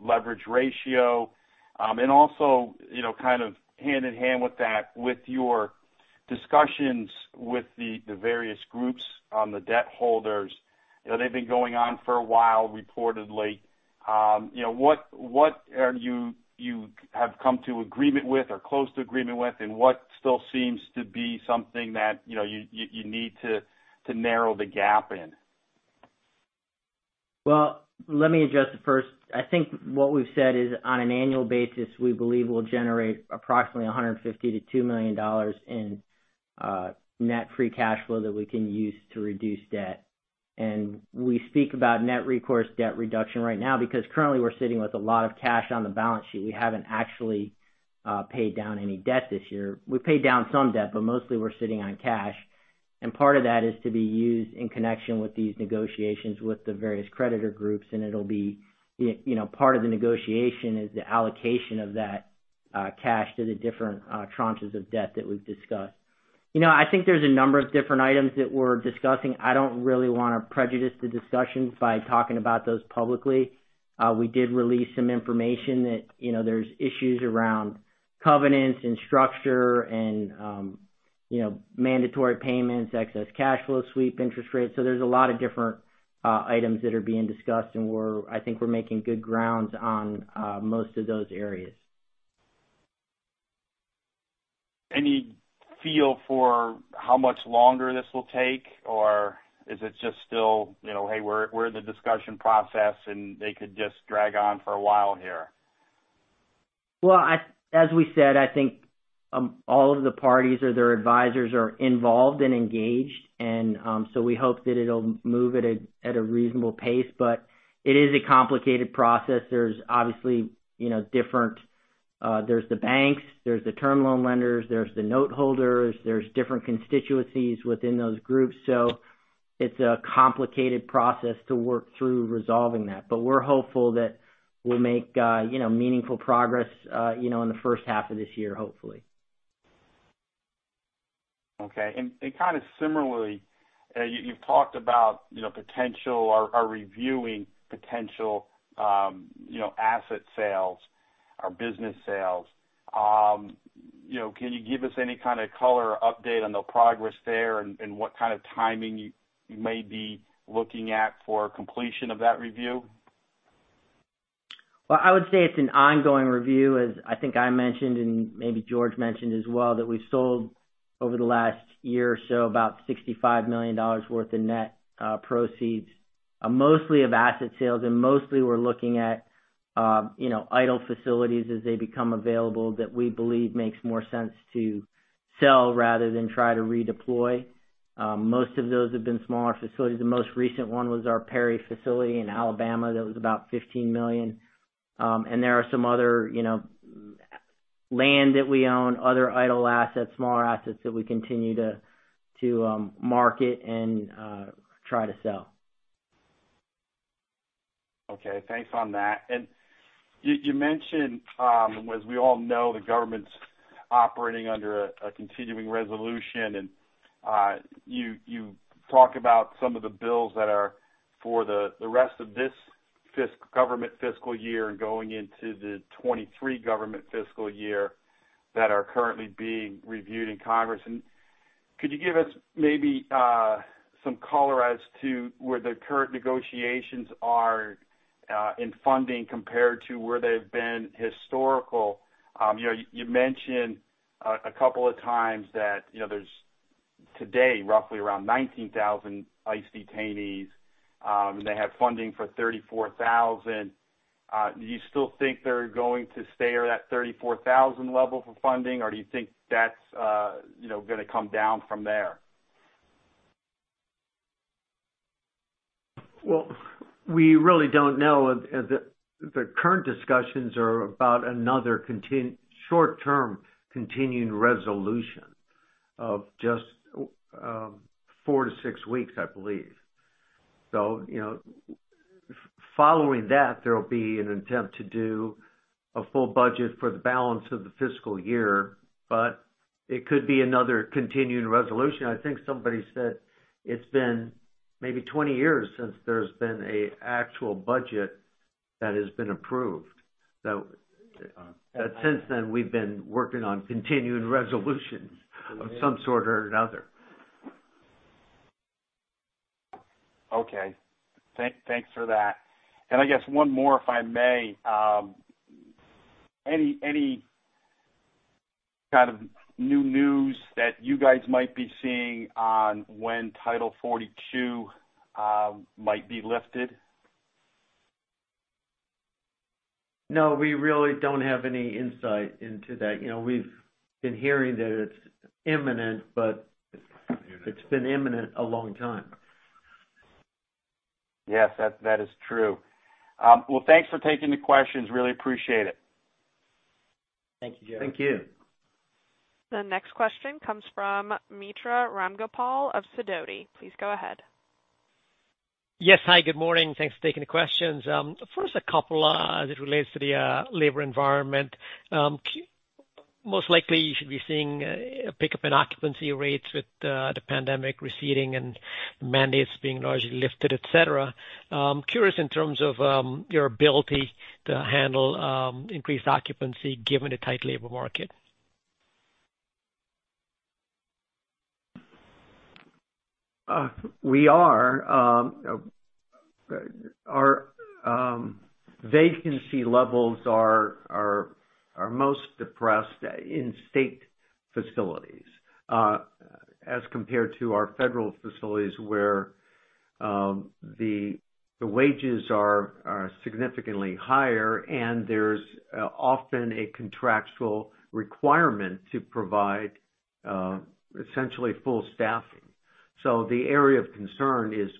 leverage ratio? Also, you know, kind of hand-in-hand with that, with your discussions with the various groups on the debt holders, they've been going on for a while reportedly. You know, what have you come to agreement with or close to agreement with, and what still seems to be something that, you know, you need to narrow the gap in? Well, let me address it first. I think what we've said is on an annual basis, we believe we'll generate approximately $150 million-$200 million in net free cash flow that we can use to reduce debt. We speak about net recourse debt reduction right now because currently we're sitting with a lot of cash on the balance sheet. We haven't actually paid down any debt this year. We paid down some debt, but mostly we're sitting on cash. Part of that is to be used in connection with these negotiations with the various creditor groups. It'll be, you know, part of the negotiation is the allocation of that cash to the different tranches of debt that we've discussed. You know, I think there's a number of different items that we're discussing. I don't really wanna prejudice the discussion by talking about those publicly. We did release some information that, you know, there's issues around covenants and structure and, you know, mandatory payments, excess cash flow sweep, interest rates. There's a lot of different items that are being discussed, and I think we're making good grounds on most of those areas. Any feel for how much longer this will take, or is it just still, you know, "Hey, we're in the discussion process," and they could just drag on for a while here? Well, as we said, I think all of the parties or their advisors are involved and engaged and so we hope that it'll move at a reasonable pace. It is a complicated process. There's obviously, you know, different, there's the banks, there's the term loan lenders, there's the note holders, there's different constituencies within those groups. It's a complicated process to work through resolving that. We're hopeful that we'll make you know meaningful progress you know in the first half of this year, hopefully. Okay. Kind of similarly, you've talked about, you know, potential or reviewing potential, you know, asset sales or business sales. You know, can you give us any kind of color or update on the progress there and what kind of timing you may be looking at for completion of that review? Well, I would say it's an ongoing review, as I think I mentioned and maybe George mentioned as well, that we sold over the last year or so about $65 million worth of net proceeds, mostly of asset sales. Mostly we're looking at, you know, idle facilities as they become available that we believe makes more sense to sell rather than try to redeploy. Most of those have been smaller facilities. The most recent one was our Perry facility in Alabama. That was about $15 million. And there are some other, you know, land that we own, other idle assets, smaller assets that we continue to market and try to sell. Okay. Thanks on that. You mentioned, as we all know, the government's operating under a continuing resolution. You talk about some of the bills that are for the rest of this government fiscal year and going into the 2023 government fiscal year that are currently being reviewed in Congress. Could you give us maybe some color as to where the current negotiations are in funding compared to where they've been historical? You know, you mentioned a couple of times that, you know, there's today roughly around 19,000 ICE detainees, and they have funding for 34,000. Do you still think they're going to stay at that 34,000 level for funding, or do you think that's, you know, gonna come down from there? Well, we really don't know. The current discussions are about another short-term continuing resolution of just four to six weeks, I believe. You know, following that, there will be an attempt to do a full budget for the balance of the fiscal year, but it could be another continuing resolution. I think somebody said it's been maybe 20 years since there's been an actual budget that has been approved. Since then, we've been working on continuing resolutions of some sort or another. Thanks for that. I guess one more, if I may. Any kind of new news that you guys might be seeing on when Title 42 might be lifted? No, we really don't have any insight into that. You know, we've been hearing that it's imminent, but it's been imminent a long time. Yes, that is true. Well, thanks for taking the questions. Really appreciate it. Thank you, Joe. Thank you. The next question comes from Mitra Ramgopal of Sidoti. Please go ahead. Yes. Hi, good morning. Thanks for taking the questions. First a couple, as it relates to the labor environment. Most likely you should be seeing a pickup in occupancy rates with the pandemic receding and mandates being largely lifted, et cetera. I'm curious in terms of your ability to handle increased occupancy given the tight labor market. We are. Our vacancy levels are most depressed in state facilities, as compared to our federal facilities, where the wages are significantly higher and there's often a contractual requirement to provide essentially full staffing. The area of concern is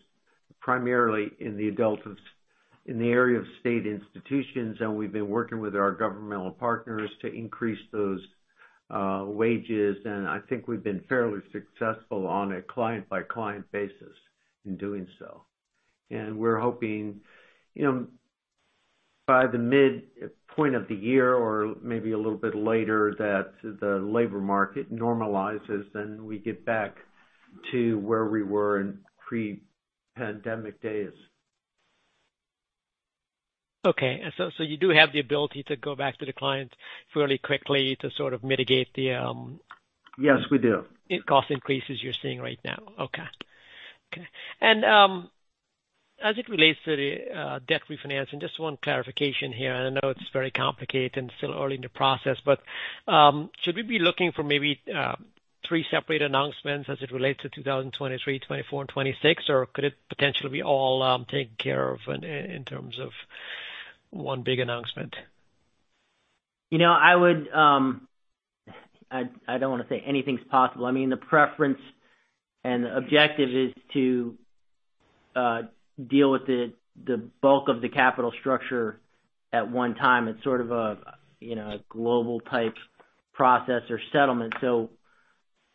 primarily in the area of state institutions, and we've been working with our governmental partners to increase those wages. I think we've been fairly successful on a client-by-client basis in doing so. We're hoping, you know. By the midpoint of the year or maybe a little bit later that the labor market normalizes and we get back to where we were in pre-pandemic days. Okay. You do have the ability to go back to the client fairly quickly to sort of mitigate the, Yes, we do. Cost increases you're seeing right now. As it relates to the debt refinancing, just one clarification here, and I know it's very complicated and still early in the process, but should we be looking for maybe three separate announcements as it relates to 2023, 2024, and 2026? Or could it potentially be all taken care of in terms of one big announcement? You know, I would, I don't wanna say anything's possible. I mean, the preference and the objective is to deal with the bulk of the capital structure at one time. It's sort of a, you know, a global type process or settlement.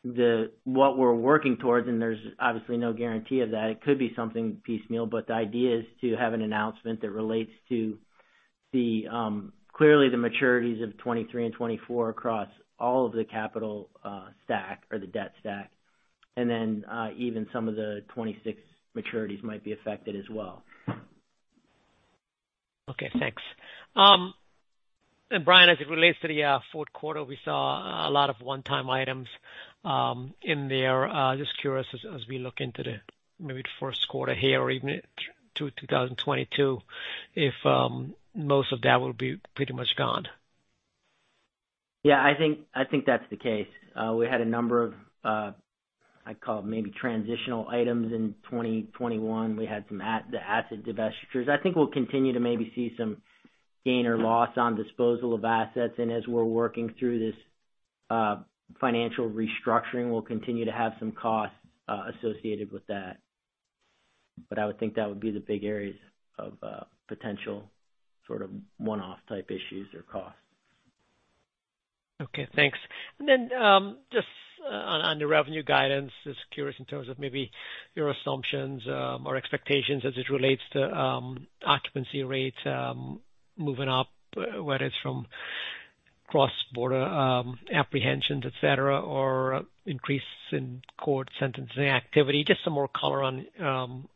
What we're working towards, and there's obviously no guarantee of that, it could be something piecemeal. The idea is to have an announcement that relates to, clearly, the maturities of 2023 and 2024 across all of the capital stack or the debt stack. Then, even some of the 2026 maturities might be affected as well. Okay, thanks. Brian, as it relates to theQ4, we saw a lot of one-time items in there. Just curious as we look into maybe the Q1 here or even through 2022 if most of that will be pretty much gone. Yeah, I think that's the case. We had a number of I'd call it maybe transitional items in 2021. We had some of the asset divestitures. I think we'll continue to maybe see some gain or loss on disposal of assets. As we're working through this financial restructuring, we'll continue to have some costs associated with that. I would think that would be the big areas of potential sort of one-off type issues or costs. Okay, thanks. Just on the revenue guidance, just curious in terms of maybe your assumptions, or expectations as it relates to, occupancy rates, moving up, whether it's from cross-border, apprehensions, et cetera, or increase in court sentencing activity. Just some more color on,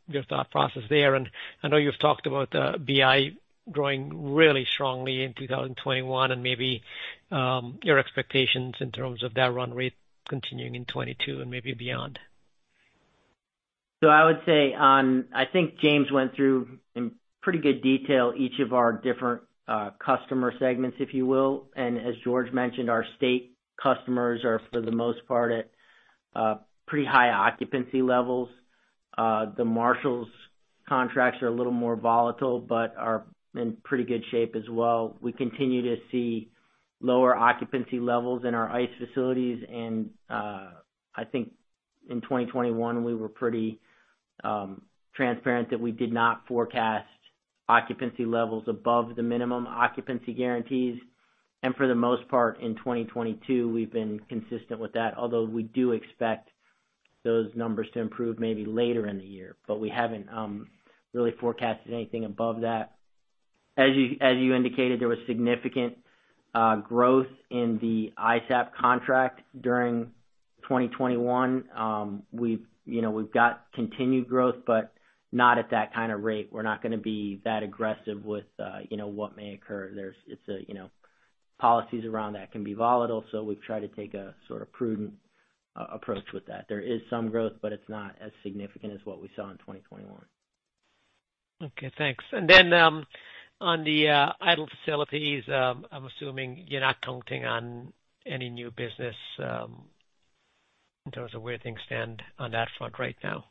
your thought process there. I know you've talked about, BI growing really strongly in 2021 and maybe, your expectations in terms of that run rate continuing in 2022 and maybe beyond. I would say I think James went through in pretty good detail each of our different customer segments, if you will. As George mentioned, our state customers are for the most part at pretty high occupancy levels. The U.S. Marshals contracts are a little more volatile, but are in pretty good shape as well. We continue to see lower occupancy levels in our ICE facilities. I think in 2021, we were pretty transparent that we did not forecast occupancy levels above the minimum occupancy guarantees. For the most part, in 2022, we've been consistent with that. Although we do expect those numbers to improve maybe later in the year. We haven't really forecasted anything above that. As you indicated, there was significant growth in the ISAP contract during 2021. We've got continued growth, but not at that kinda rate. We're not gonna be that aggressive with, you know, what may occur. It's a, you know, policies around that can be volatile, so we've tried to take a sort of prudent approach with that. There is some growth, but it's not as significant as what we saw in 2021. Okay, thanks. On the idle facilities, I'm assuming you're not counting on any new business in terms of where things stand on that front right now.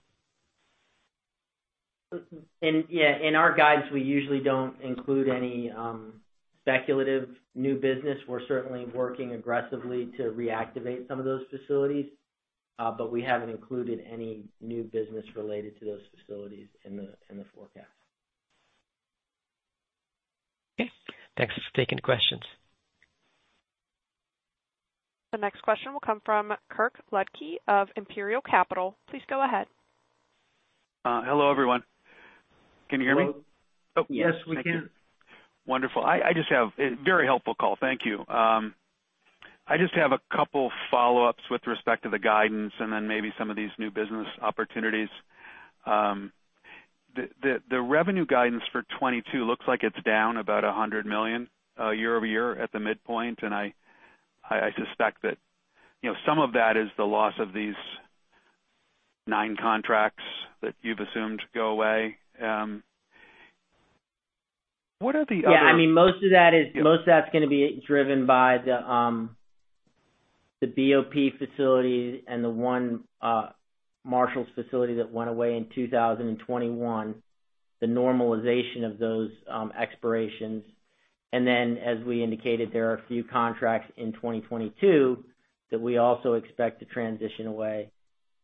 Yeah, in our guides, we usually don't include any speculative new business. We're certainly working aggressively to reactivate some of those facilities, but we haven't included any new business related to those facilities in the forecast. Okay. Thanks for taking the questions. The next question will come from Kirk Ludtke of Imperial Capital. Please go ahead. Hello, everyone. Can you hear me? Hello. Oh, yes, we can. Thank you. Wonderful. Very helpful call. Thank you. I just have a couple follow-ups with respect to the guidance and then maybe some of these new business opportunities. The revenue guidance for 2022 looks like it's down about $100 million year-over-year at the midpoint. I suspect that, you know, some of that is the loss of these nine contracts that you've assumed go away. What are the other- Yeah. I mean, most of that is. Yeah. Most of that's gonna be driven by the BOP facility and the one Marshals facility that went away in 2021, the normalization of those expirations. As we indicated, there are a few contracts in 2022 that we also expect to transition away.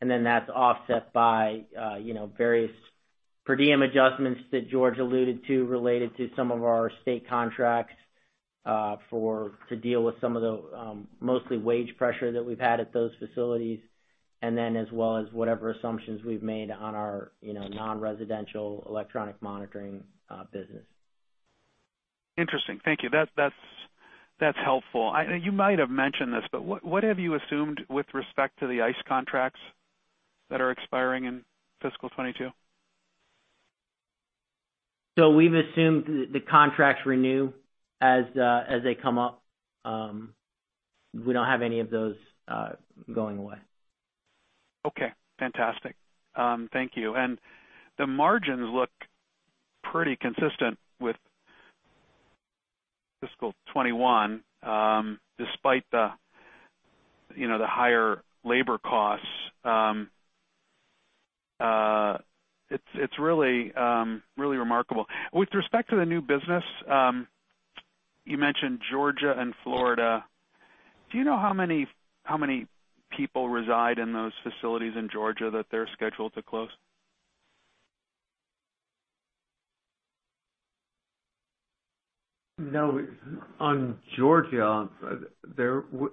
That's offset by you know, various per diem adjustments that George alluded to related to some of our state contracts to deal with some of the mostly wage pressure that we've had at those facilities, and then as well as whatever assumptions we've made on our you know, non-residential electronic monitoring business. Interesting. Thank you. That's helpful. I think you might have mentioned this, but what have you assumed with respect to the ICE contracts that are expiring in fiscal 2022? We've assumed the contracts renew as they come up. We don't have any of those going away. Okay, fantastic. Thank you. The margins look pretty consistent with fiscal 2021, despite the, you know, the higher labor costs. It's really remarkable. With respect to the new business, you mentioned Georgia and Florida. Do you know how many people reside in those facilities in Georgia that they're scheduled to close? No. On Georgia, there This.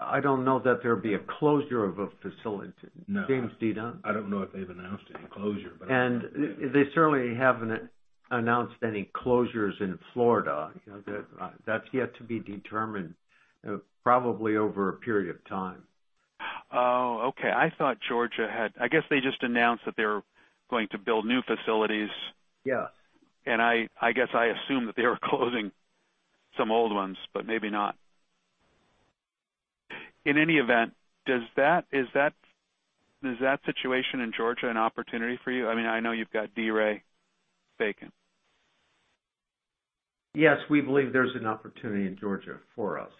I don't know that there'd be a closure of a facility. No. James, do you know? I don't know if they've announced any closure, but I don't know. They certainly haven't announced any closures in Florida. That’s yet to be determined, probably over a period of time. Oh, okay. I thought Georgia had. I guess they just announced that they're going to build new facilities. Yeah. I guess I assume that they were closing some old ones, but maybe not. In any event, is that situation in Georgia an opportunity for you? I mean, I know you've got D. Ray James vacant. Yes. We believe there's an opportunity in Georgia for us.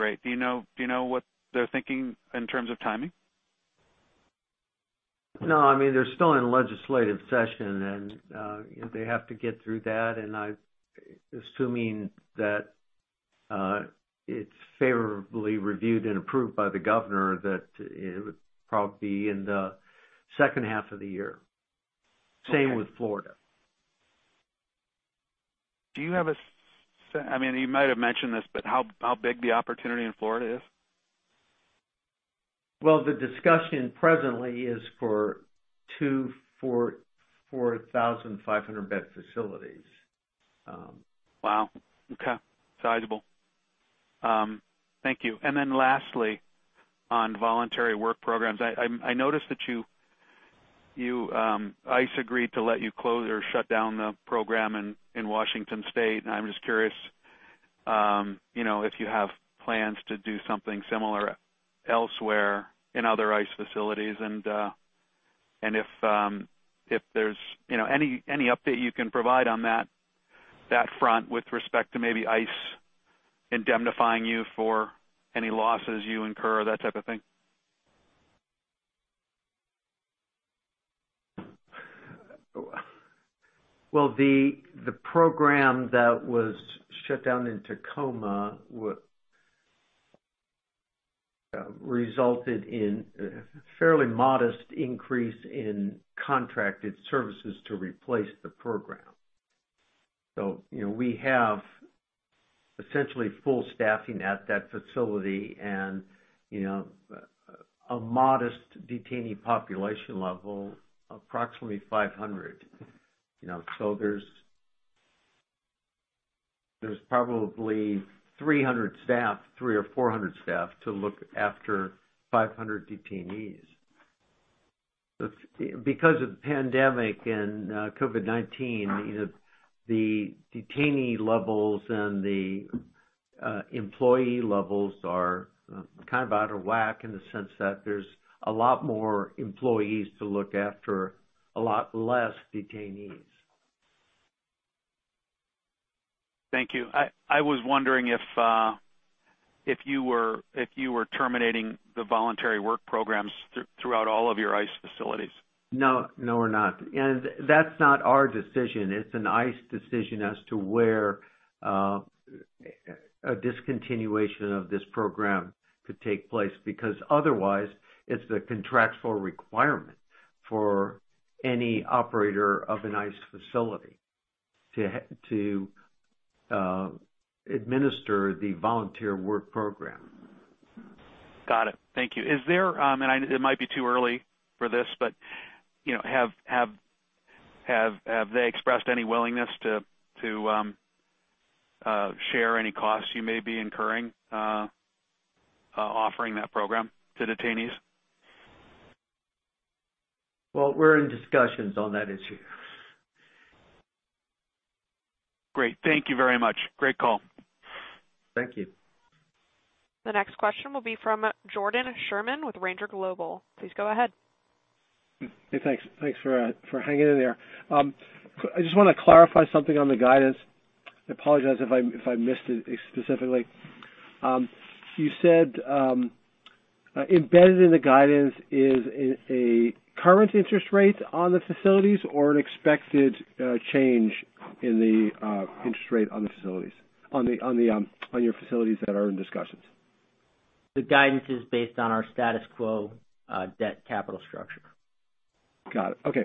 Great. Do you know what they're thinking in terms of timing? No. I mean, they're still in legislative session, and they have to get through that, and I'm assuming that it's favorably reviewed and approved by the governor that it would probably be in the second half of the year. Okay. Same with Florida. I mean, you might have mentioned this, but how big the opportunity in Florida is? Well, the discussion presently is for two 4,400-bed facilities. Wow. Okay. Sizable. Thank you. Lastly, on voluntary work programs. I noticed that ICE agreed to let you close or shut down the program in Washington State, and I'm just curious, you know, if you have plans to do something similar elsewhere in other ICE facilities and if there's, you know, any update you can provide on that front with respect to maybe ICE indemnifying you for any losses you incur, that type of thing. Well, the program that was shut down in Tacoma resulted in a fairly modest increase in contracted services to replace the program. You know, we have essentially full staffing at that facility and, you know, a modest detainee population level, approximately 500, you know. There's probably 300 staff, 300 or 400 staff to look after 500 detainees. Because of the pandemic and COVID-19, you know, the detainee levels and the employee levels are kind of out of whack in the sense that there's a lot more employees to look after a lot less detainees. Thank you. I was wondering if you were terminating the voluntary work programs throughout all of your ICE facilities? No. No, we're not. That's not our decision. It's an ICE decision as to where a discontinuation of this program could take place, because otherwise it's a contractual requirement for any operator of an ICE facility to administer the volunteer work program. Got it. Thank you. Is there, and I know it might be too early for this, but, you know, have they expressed any willingness to share any costs you may be incurring, offering that program to detainees? Well, we're in discussions on that issue. Great. Thank you very much. Great call. Thank you. The next question will be from Jordan Sherman with Ranger Global. Please go ahead. Hey, thanks. Thanks for hanging in there. I just want to clarify something on the guidance. I apologize if I missed it specifically. You said embedded in the guidance is a current interest rate on the facilities or an expected change in the interest rate on the facilities, on your facilities that are in discussions? The guidance is based on our status quo debt capital structure. Got it. Okay.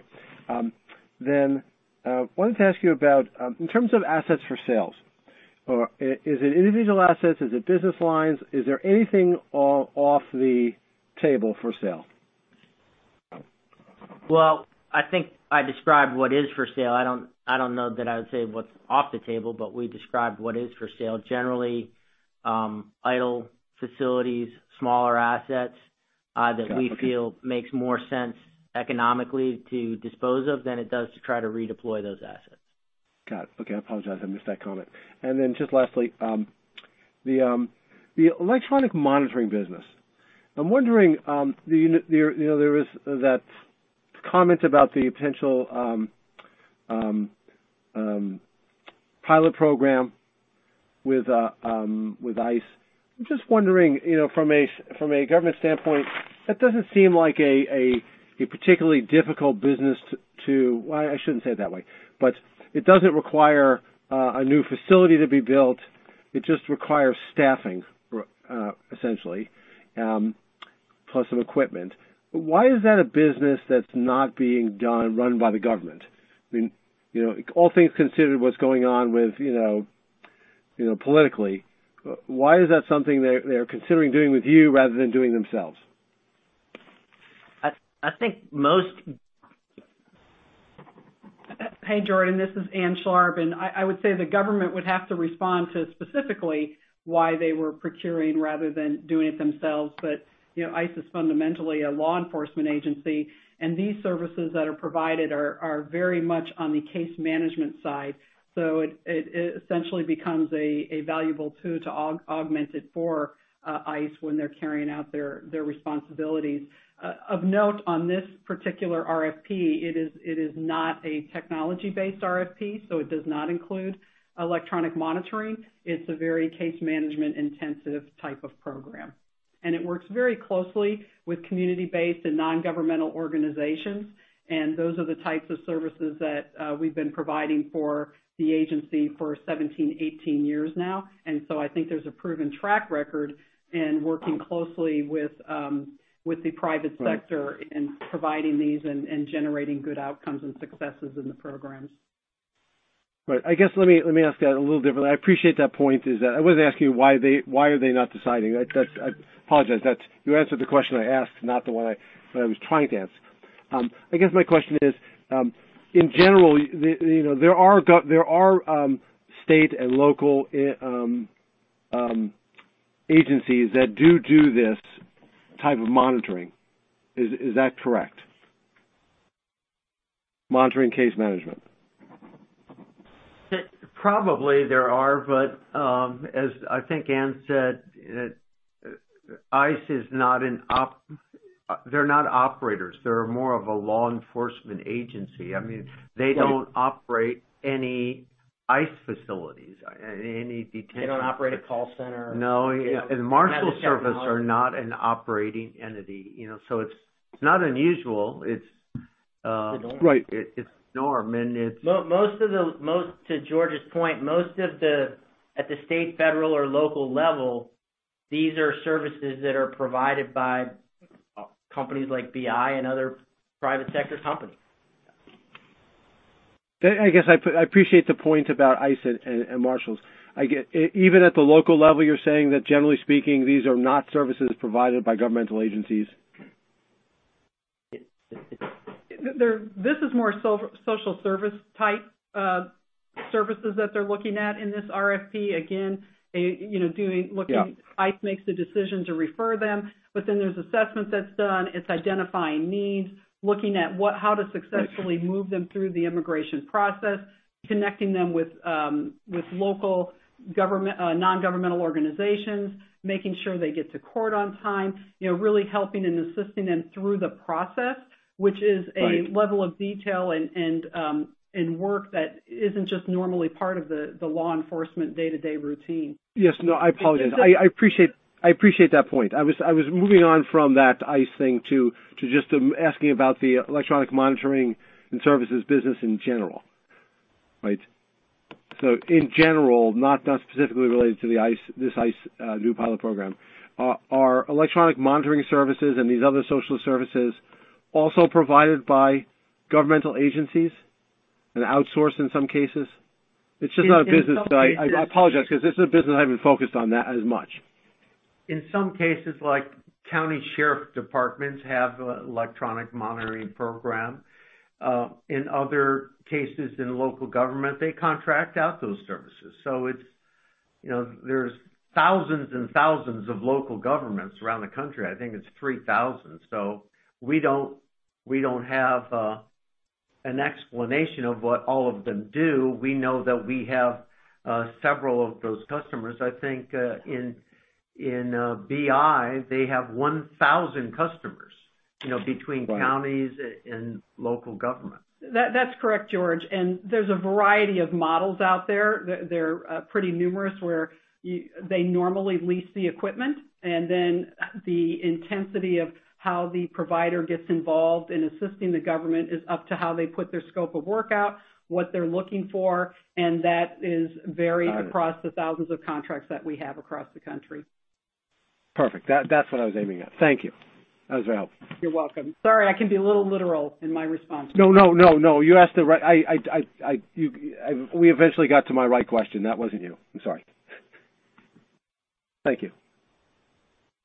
I wanted to ask you about in terms of assets for sales, or is it individual assets? Is it business lines? Is there anything off the table for sale? Well, I think I described what is for sale. I don't know that I would say what's off the table, but we described what is for sale. Generally, idle facilities, smaller assets. Got it. that we feel makes more sense economically to dispose of than it does to try to redeploy those assets. Got it. Okay. I apologize. I missed that comment. Just lastly, the electronic monitoring business. I'm wondering, the one there, you know, there is that comment about the potential pilot program with ICE. I'm just wondering, you know, from a government standpoint, that doesn't seem like a particularly difficult business. Well, I shouldn't say it that way, but it doesn't require a new facility to be built. It just requires staffing, essentially, plus some equipment. Why is that a business that's not being run by the government? I mean, you know, all things considered, what's going on with, you know, politically, why is that something they're considering doing with you rather than doing themselves? I think most- Hey, Jordan, this is Ann Schlarb. I would say the government would have to respond to specifically why they were procuring rather than doing it themselves. You know, ICE is fundamentally a law enforcement agency, and these services that are provided are very much on the case management side. It essentially becomes a valuable tool to augment it for ICE when they're carrying out their responsibilities. Of note, on this particular RFP, it is not a technology-based RFP, so it does not include electronic monitoring. It's a very case management intensive type of program, and it works very closely with community-based and non-governmental organizations. Those are the types of services that we've been providing for the agency for 17, 18 years now. I think there's a proven track record in working closely with the private sector in providing these and generating good outcomes and successes in the programs. Right. I guess, let me ask that a little differently. I appreciate that point. I wasn't asking you why they are not deciding. I apologize. You answered the question I asked, not the one I was trying to ask. I guess my question is, in general, you know, there are state and local agencies that do this type of monitoring. Is that correct? Monitoring case management. Probably there are, but as I think Ann said, ICE is not operators. They're more of a law enforcement agency. I mean. Right. They don't operate any ICE facilities, any detention. They don't operate a call center. No. Yeah. The U.S. Marshals Service are not an operating entity, you know. So it's not unusual. It's The norm. Right. It's the norm. To George's point, most of them at the state, federal, or local level, these are services that are provided by companies like BI and other private sector companies. I guess I appreciate the point about ICE and Marshals. Even at the local level, you're saying that generally speaking, these are not services provided by governmental agencies. It, it- There, this is more so social service type services that they're looking at in this RFP. Again, you know, looking- Yeah. ICE makes the decision to refer them, but then there's assessment that's done. It's identifying needs, looking at what, how to successfully move them through the immigration process, connecting them with local government, non-governmental organizations, making sure they get to court on time, you know, really helping and assisting them through the process, which is Right. level of detail and work that isn't just normally part of the law enforcement day-to-day routine. Yes. No, I apologize. I appreciate that point. I was moving on from that ICE thing to just asking about the electronic monitoring and services business in general. Right? So in general, not specifically related to the ICE, this ICE new pilot program. Are electronic monitoring services and these other social services also provided by governmental agencies and outsourced in some cases? It's just not a business that I- In some cases. I apologize because this is a business I haven't focused on that much. In some cases, like county sheriff departments have electronic monitoring program. In other cases in local government, they contract out those services. It's, there's thousands and thousands of local governments around the country. I think it's 3,000. We don't have an explanation of what all of them do. We know that we have several of those customers. I think in BI, they have 1,000 customers. Right. between counties and local governments. That, that's correct, George. There's a variety of models out there. They're pretty numerous, where they normally lease the equipment, and then the intensity of how the provider gets involved in assisting the government is up to how they put their scope of work out, what they're looking for, and that is varied. Got it. across the thousands of contracts that we have across the country. Perfect. That, that's what I was aiming at. Thank you. That was very helpful. You're welcome. Sorry, I can be a little literal in my response. No. We eventually got to my right question. That wasn't you. I'm sorry. Thank you.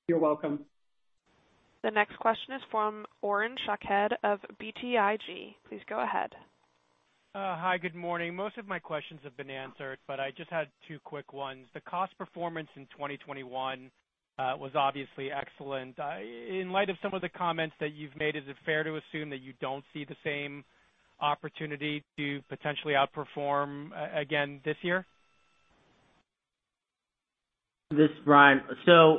You're welcome. The next question is from Oren Shaked of BTIG. Please go ahead. Hi, good morning. Most of my questions have been answered, but I just had two quick ones. The cost performance in 2021 was obviously excellent. In light of some of the comments that you've made, is it fair to assume that you don't see the same opportunity to potentially outperform again this year? This is Brian.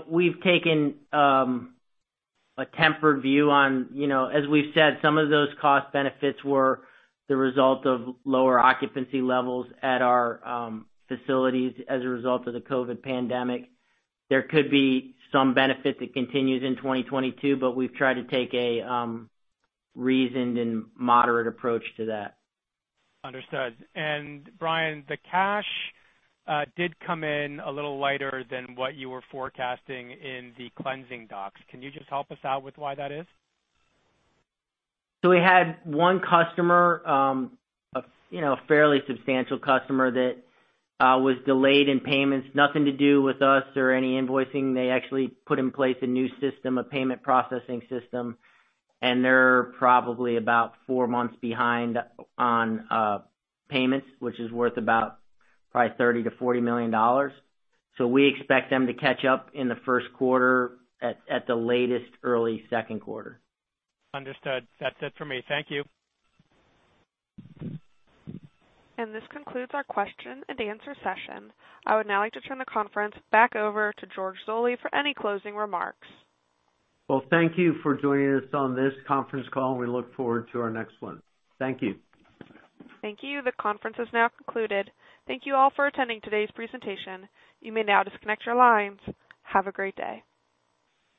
We've taken a tempered view on, you know, as we've said, some of those cost benefits were the result of lower occupancy levels at our facilities as a result of the COVID pandemic. There could be some benefit that continues in 2022, but we've tried to take a reasoned and moderate approach to that. Understood. Brian, the cash did come in a little lighter than what you were forecasting in the closing docs. Can you just help us out with why that is? We had one customer, you know, a fairly substantial customer that was delayed in payments. Nothing to do with us or any invoicing. They actually put in place a new system, a payment processing system, and they're probably about four months behind on payments, which is worth about probably $30 million-$40 million. We expect them to catch up in the Q1 at the latest, earlyQ2. Understood. That's it for me. Thank you. This concludes our question and answer session. I would now like to turn the conference back over to George Zoley for any closing remarks. Well, thank you for joining us on this conference call, and we look forward to our next one. Thank you. Thank you. The conference has now concluded. Thank you all for attending today's presentation. You may now disconnect your lines. Have a great day.